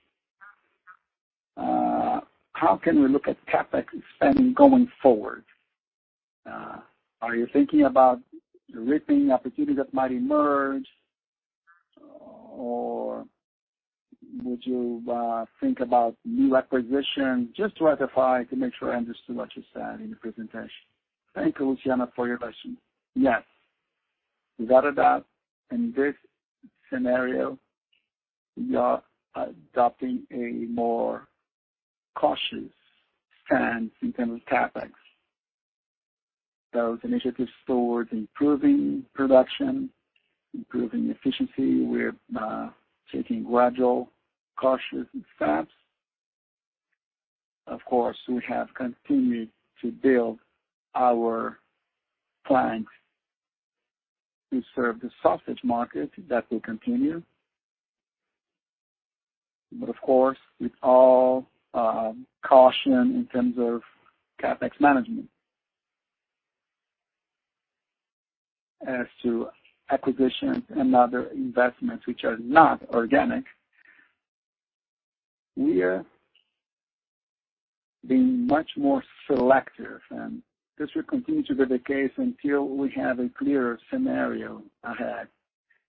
how can we look at CapEx spending going forward? Are you thinking about reaping opportunities that might emerge, or would you think about new acquisitions? Just to rectify, to make sure I understood what you said in the presentation. Thank you, Luciana, for your question. Regardless, in this scenario, we are adopting a more cautious stance in terms of CapEx. Initiatives towards improving production, improving efficiency, we're taking gradual, cautious steps. Of course, we have continued to build our plans to serve the sausage market. That will continue. Of course, with all caution in terms of CapEx management. As to acquisitions and other investments which are not organic, we are being much more selective, and this will continue to be the case until we have a clearer scenario ahead.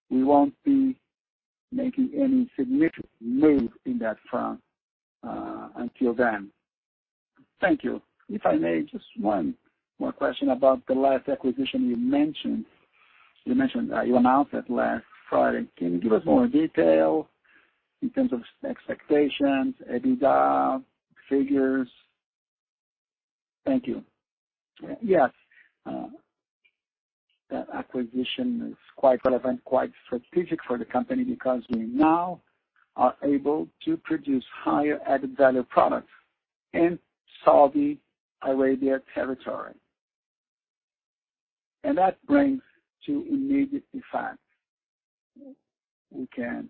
We won't be making any significant moves on that front until then. Thank you. If I may, just one more question about the last acquisition you mentioned. You announced that last Friday. Can you give us more detail in terms of expectations, EBITDA figures? Thank you. Yes. That acquisition is quite relevant, quite strategic for the company because we now are able to produce higher added-value products in Saudi Arabia territory. That brings two immediate effects. We can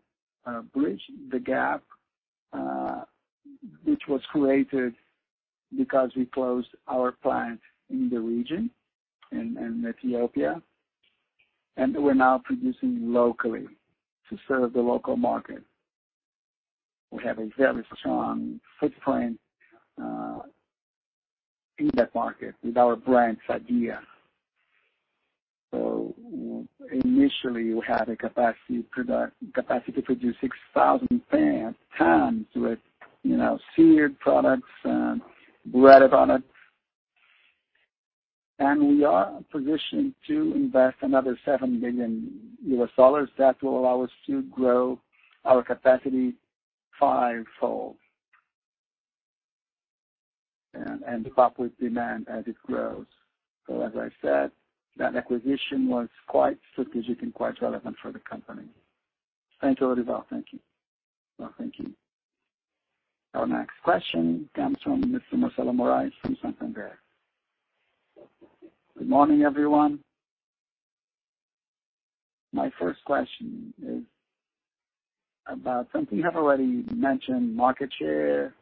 bridge the gap which was created because we closed our plant in the region, in Ethiopia, and we're now producing locally to serve the local market. We have a very strong footprint in that market with our brand Sadia. Initially, we had a capacity to produce 6,000 tons with seared products and breaded products. We are positioned to invest another BRL 7 million. That will allow us to grow our capacity fivefold and keep up with demand as it grows. As I said, that acquisition was quite strategic and quite relevant for the company. Thank you, Lorival. Thank you. Well, thank you. Our next question comes from Mr. Marcelo Moraes from Santander. Good morning, everyone. My first question is about something you have already mentioned, market share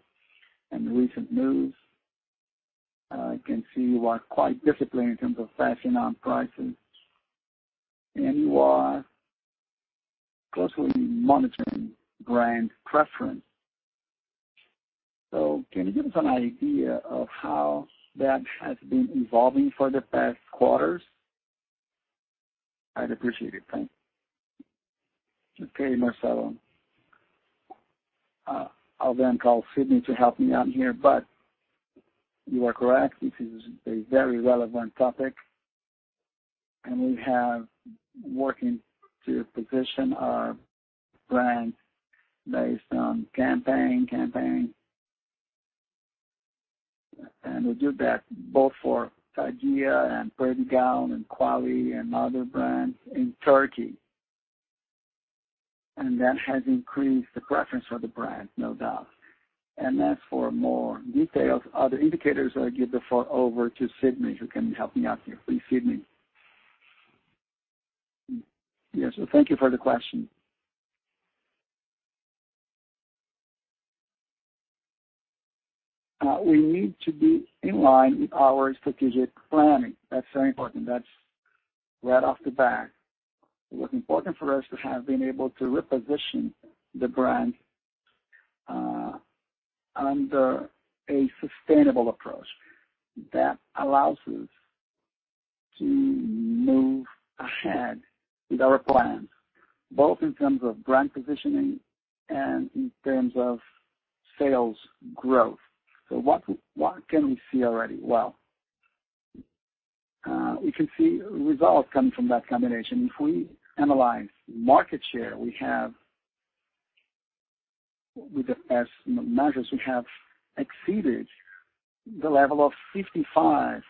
and recent moves. I can see you are quite disciplined in terms of passing on prices. You are closely monitoring brand preference. Can you give us an idea of how that has been evolving for the past quarters? I'd appreciate it. Thank you. Okay, Marcelo. I'll call Sidney to help me out here, but you are correct. This is a very relevant topic, and we have been working to position our brand based on campaign. We do that both for Sadia and Perdigão and Qualy and other brands in Turkey. That has increased the preference for the brand, no doubt. As for more details, other indicators, I give the floor over to Sidney, who can help me out here. Please, Sidney. Yes. Thank you for the question. We need to be in line with our strategic planning. That's very important. That's right off the bat. It was important for us to have been able to reposition the brand under a sustainable approach that allows us to move ahead with our plans, both in terms of brand positioning and in terms of sales growth. What can we see already? Well, we can see results coming from that combination. If we analyze market share, with the past measures, we have exceeded the level of 55%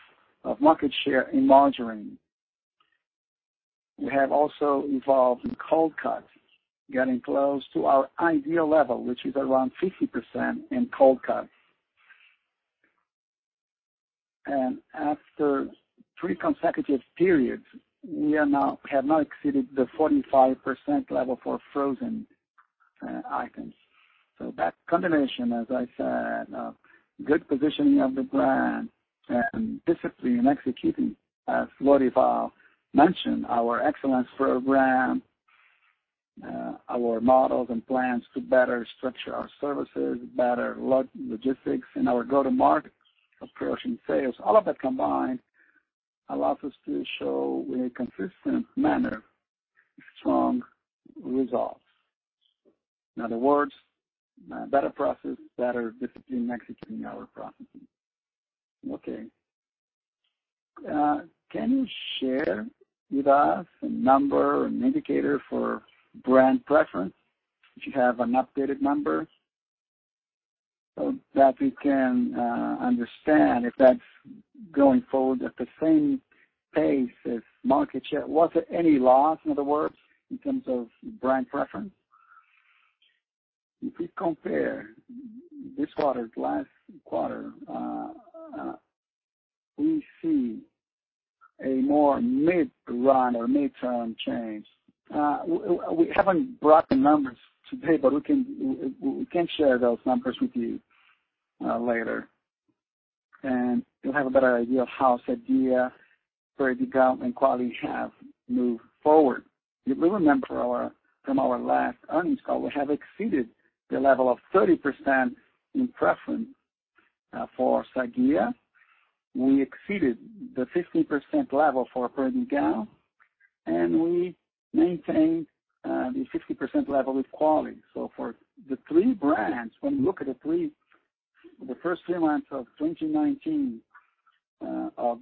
of market share in margarine. We have also evolved in cold cuts, getting close to our ideal level, which is around 50% in cold cuts. After three consecutive periods, we have now exceeded the 45% level for frozen items. That combination, as I said, of good positioning of the brand and discipline in executing, as Lorival mentioned, our excellence program, our models and plans to better structure our services, better logistics and our go-to-market approach in sales, all of that combined allows us to show, in a consistent manner, strong results. In other words, better process, better discipline executing our processes. Okay. Can you share with us a number, an indicator for brand preference? Do you have an updated number so that we can understand if that's going forward at the same pace as market share? Was there any loss, in other words, in terms of brand preference? If we compare this quarter to last quarter, we see a more mid-run or mid-term change. We haven't brought the numbers today, but we can share those numbers with you later, and you'll have a better idea of how Sadia, Perdigão, and Qualy have moved forward. If we remember from our last earnings call, we have exceeded the level of 30% in preference for Sadia. We exceeded the 15% level for Perdigão, and we maintained the 50% level with Qualy. For the three brands, when we look at the first three months of 2019, of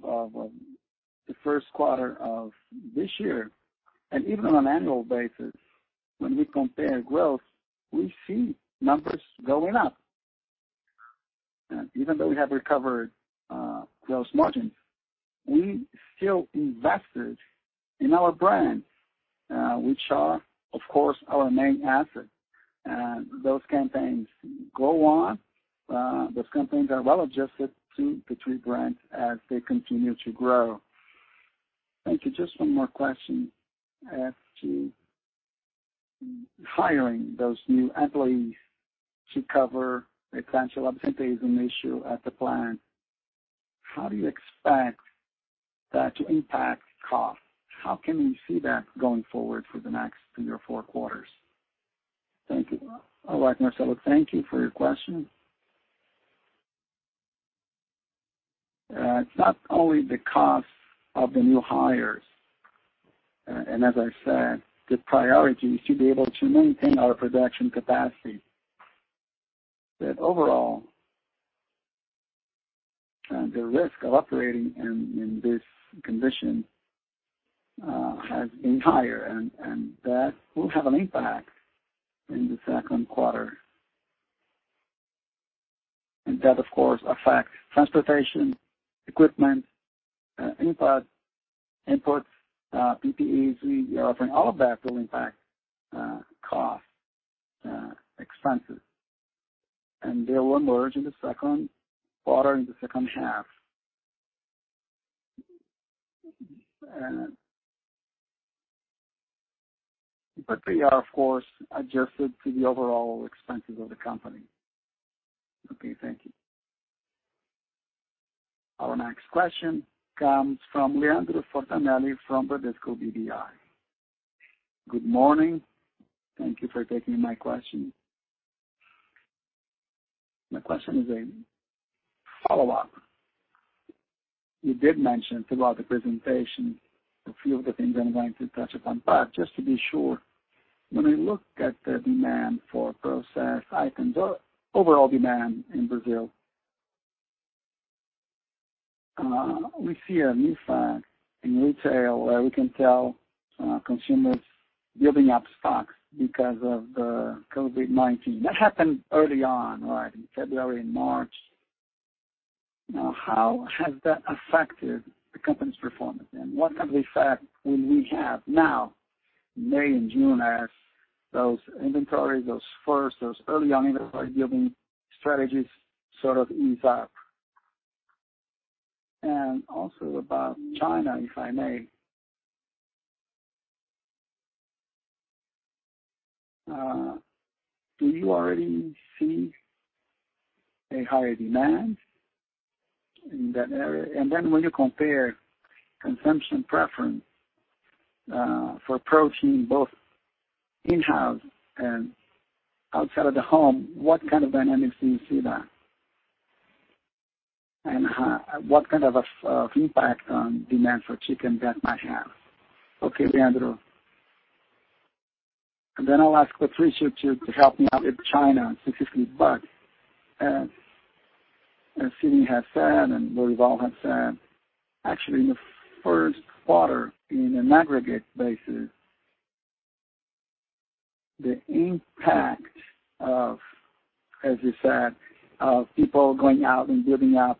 the first quarter of this year, and even on an annual basis, when we compare growth, we see numbers going up. Even though we have recovered those margins, we still invested in our brands, which are, of course, our main asset. Those campaigns go on. Those campaigns are well-adjusted to the three brands as they continue to grow. Thank you. Just one more question. As to hiring those new employees to cover the potential absenteeism issue at the plant, how do you expect that to impact cost? How can we see that going forward for the next three or four quarters? Thank you. All right, Marcelo, thank you for your question. It's not only the cost of the new hires, and as I said, the priority is to be able to maintain our production capacity. Overall, the risk of operating in this condition has been higher, and that will have an impact in the second quarter. That, of course, affects transportation, equipment, inputs, PPEs. We are offering all of that will impact cost, expenses, and they will emerge in the second quarter, in the second half. They are, of course, adjusted to the overall expenses of the company. Okay, thank you. Our next question comes from Leandro Fontanelli from Bradesco BBI. Good morning. Thank you for taking my question. My question is a follow-up. You did mention throughout the presentation a few of the things I'm going to touch upon. Just to be sure, when we look at the demand for processed items or overall demand in Brazil, we see a new fact in retail where we can tell consumers building up stocks because of the COVID-19. That happened early on, right? In February and March. How has that affected the company's performance, and what kind of effect will we have now in May and June as those inventories, those early-on inventory-building strategies sort of ease up? Also about China, if I may. Then when you compare consumption preference for protein, both in-house and outside of the home, what kind of dynamics do you see there? What kind of impact on demand for chicken that might have? Okay, Leandro. Then I'll ask Patricio to help me out with China specifically. As Sidney has said and Patricio has said, actually, in the first quarter, in an aggregate basis, the impact of, as you said, of people going out and building up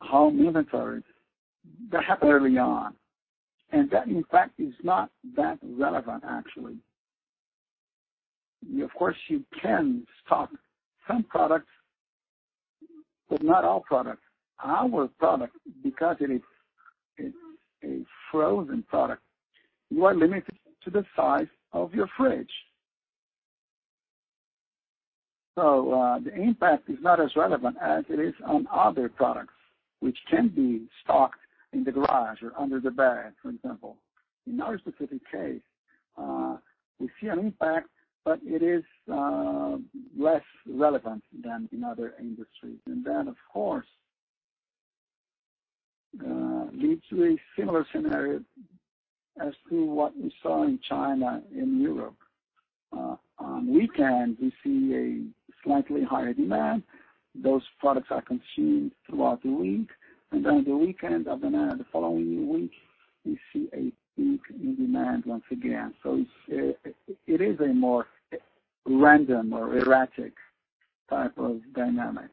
home inventories, that happened early on, that, in fact, is not that relevant, actually. Of course, you can stock some products, but not all products. Our product, because it is a frozen product, you are limited to the size of your fridge. The impact is not as relevant as it is on other products, which can be stocked in the garage or under the bed, for example. In our specific case, we see an impact, but it is less relevant than in other industries. Then, of course-leads to a similar scenario as to what we saw in China and Europe. On weekends, we see a slightly higher demand. Those products are consumed throughout the week, and then the weekend of the following week, we see a peak in demand once again. It is a more random or erratic type of dynamic.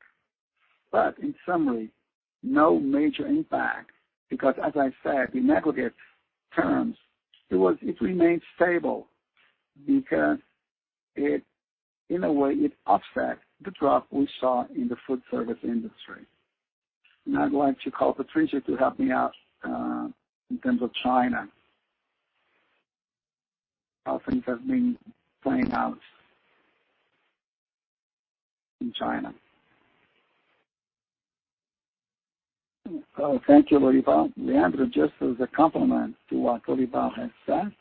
In summary, no major impact because as I said, in aggregate terms, it remains stable because in a way it offset the drop we saw in the food service industry. Now I'd like to call Patricio to help me out in terms of China. How things have been playing out in China. Thank you, Lorival. Leandro, just as a complement to what Lorival has said,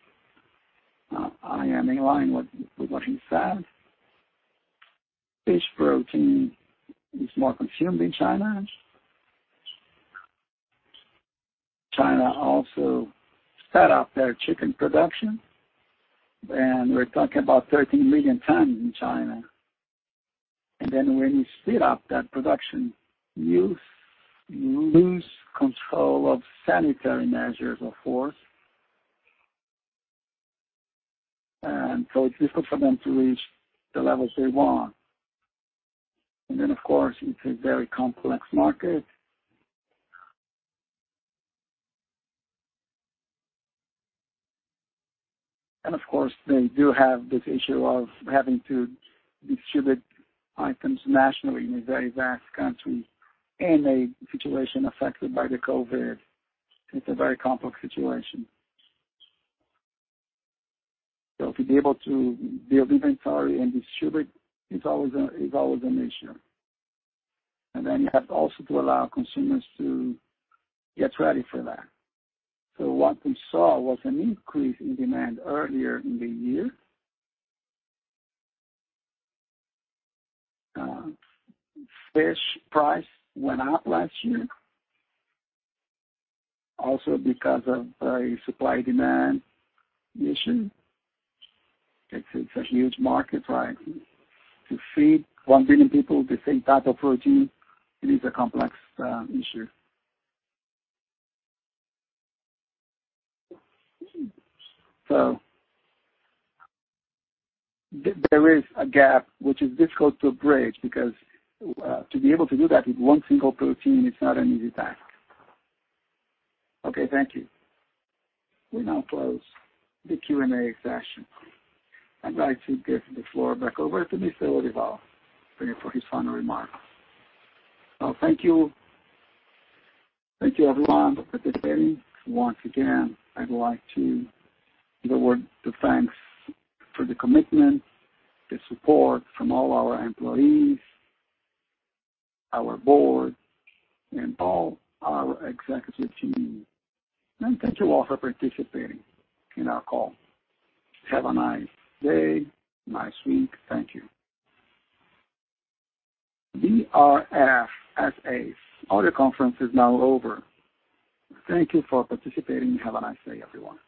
I am in line with what he said. Fish protein is more consumed in China. China also set up their chicken production, and we're talking about 13 million tons in China. When you set up that production, you lose control of sanitary measures, of course. So it's difficult for them to reach the levels they want. Of course, it's a very complex market. Of course, they do have this issue of having to distribute items nationally in a very vast country in a situation affected by the COVID. It's a very complex situation. To be able to build inventory and distribute is always an issue. You have also to allow consumers to get ready for that. What we saw was an increase in demand earlier in the year. Fish price went up last year, also because of a supply-demand issue. It's a huge market. To feed 1 billion people the same type of protein, it is a complex issue. There is a gap which is difficult to bridge because to be able to do that with one single protein is not an easy task. Okay. Thank you. We now close the Q&A session. I'd like to give the floor back over to Mr. Lorival for his final remarks. Thank you, everyone, for participating. Once again, I'd like to give a word to thanks for the commitment, the support from all our employees, our board, and all our executive team. Thank you all for participating in our call. Have a nice day, nice week. Thank you. BRF S.A.'s audio conference is now over. Thank you for participating, have a nice day, everyone.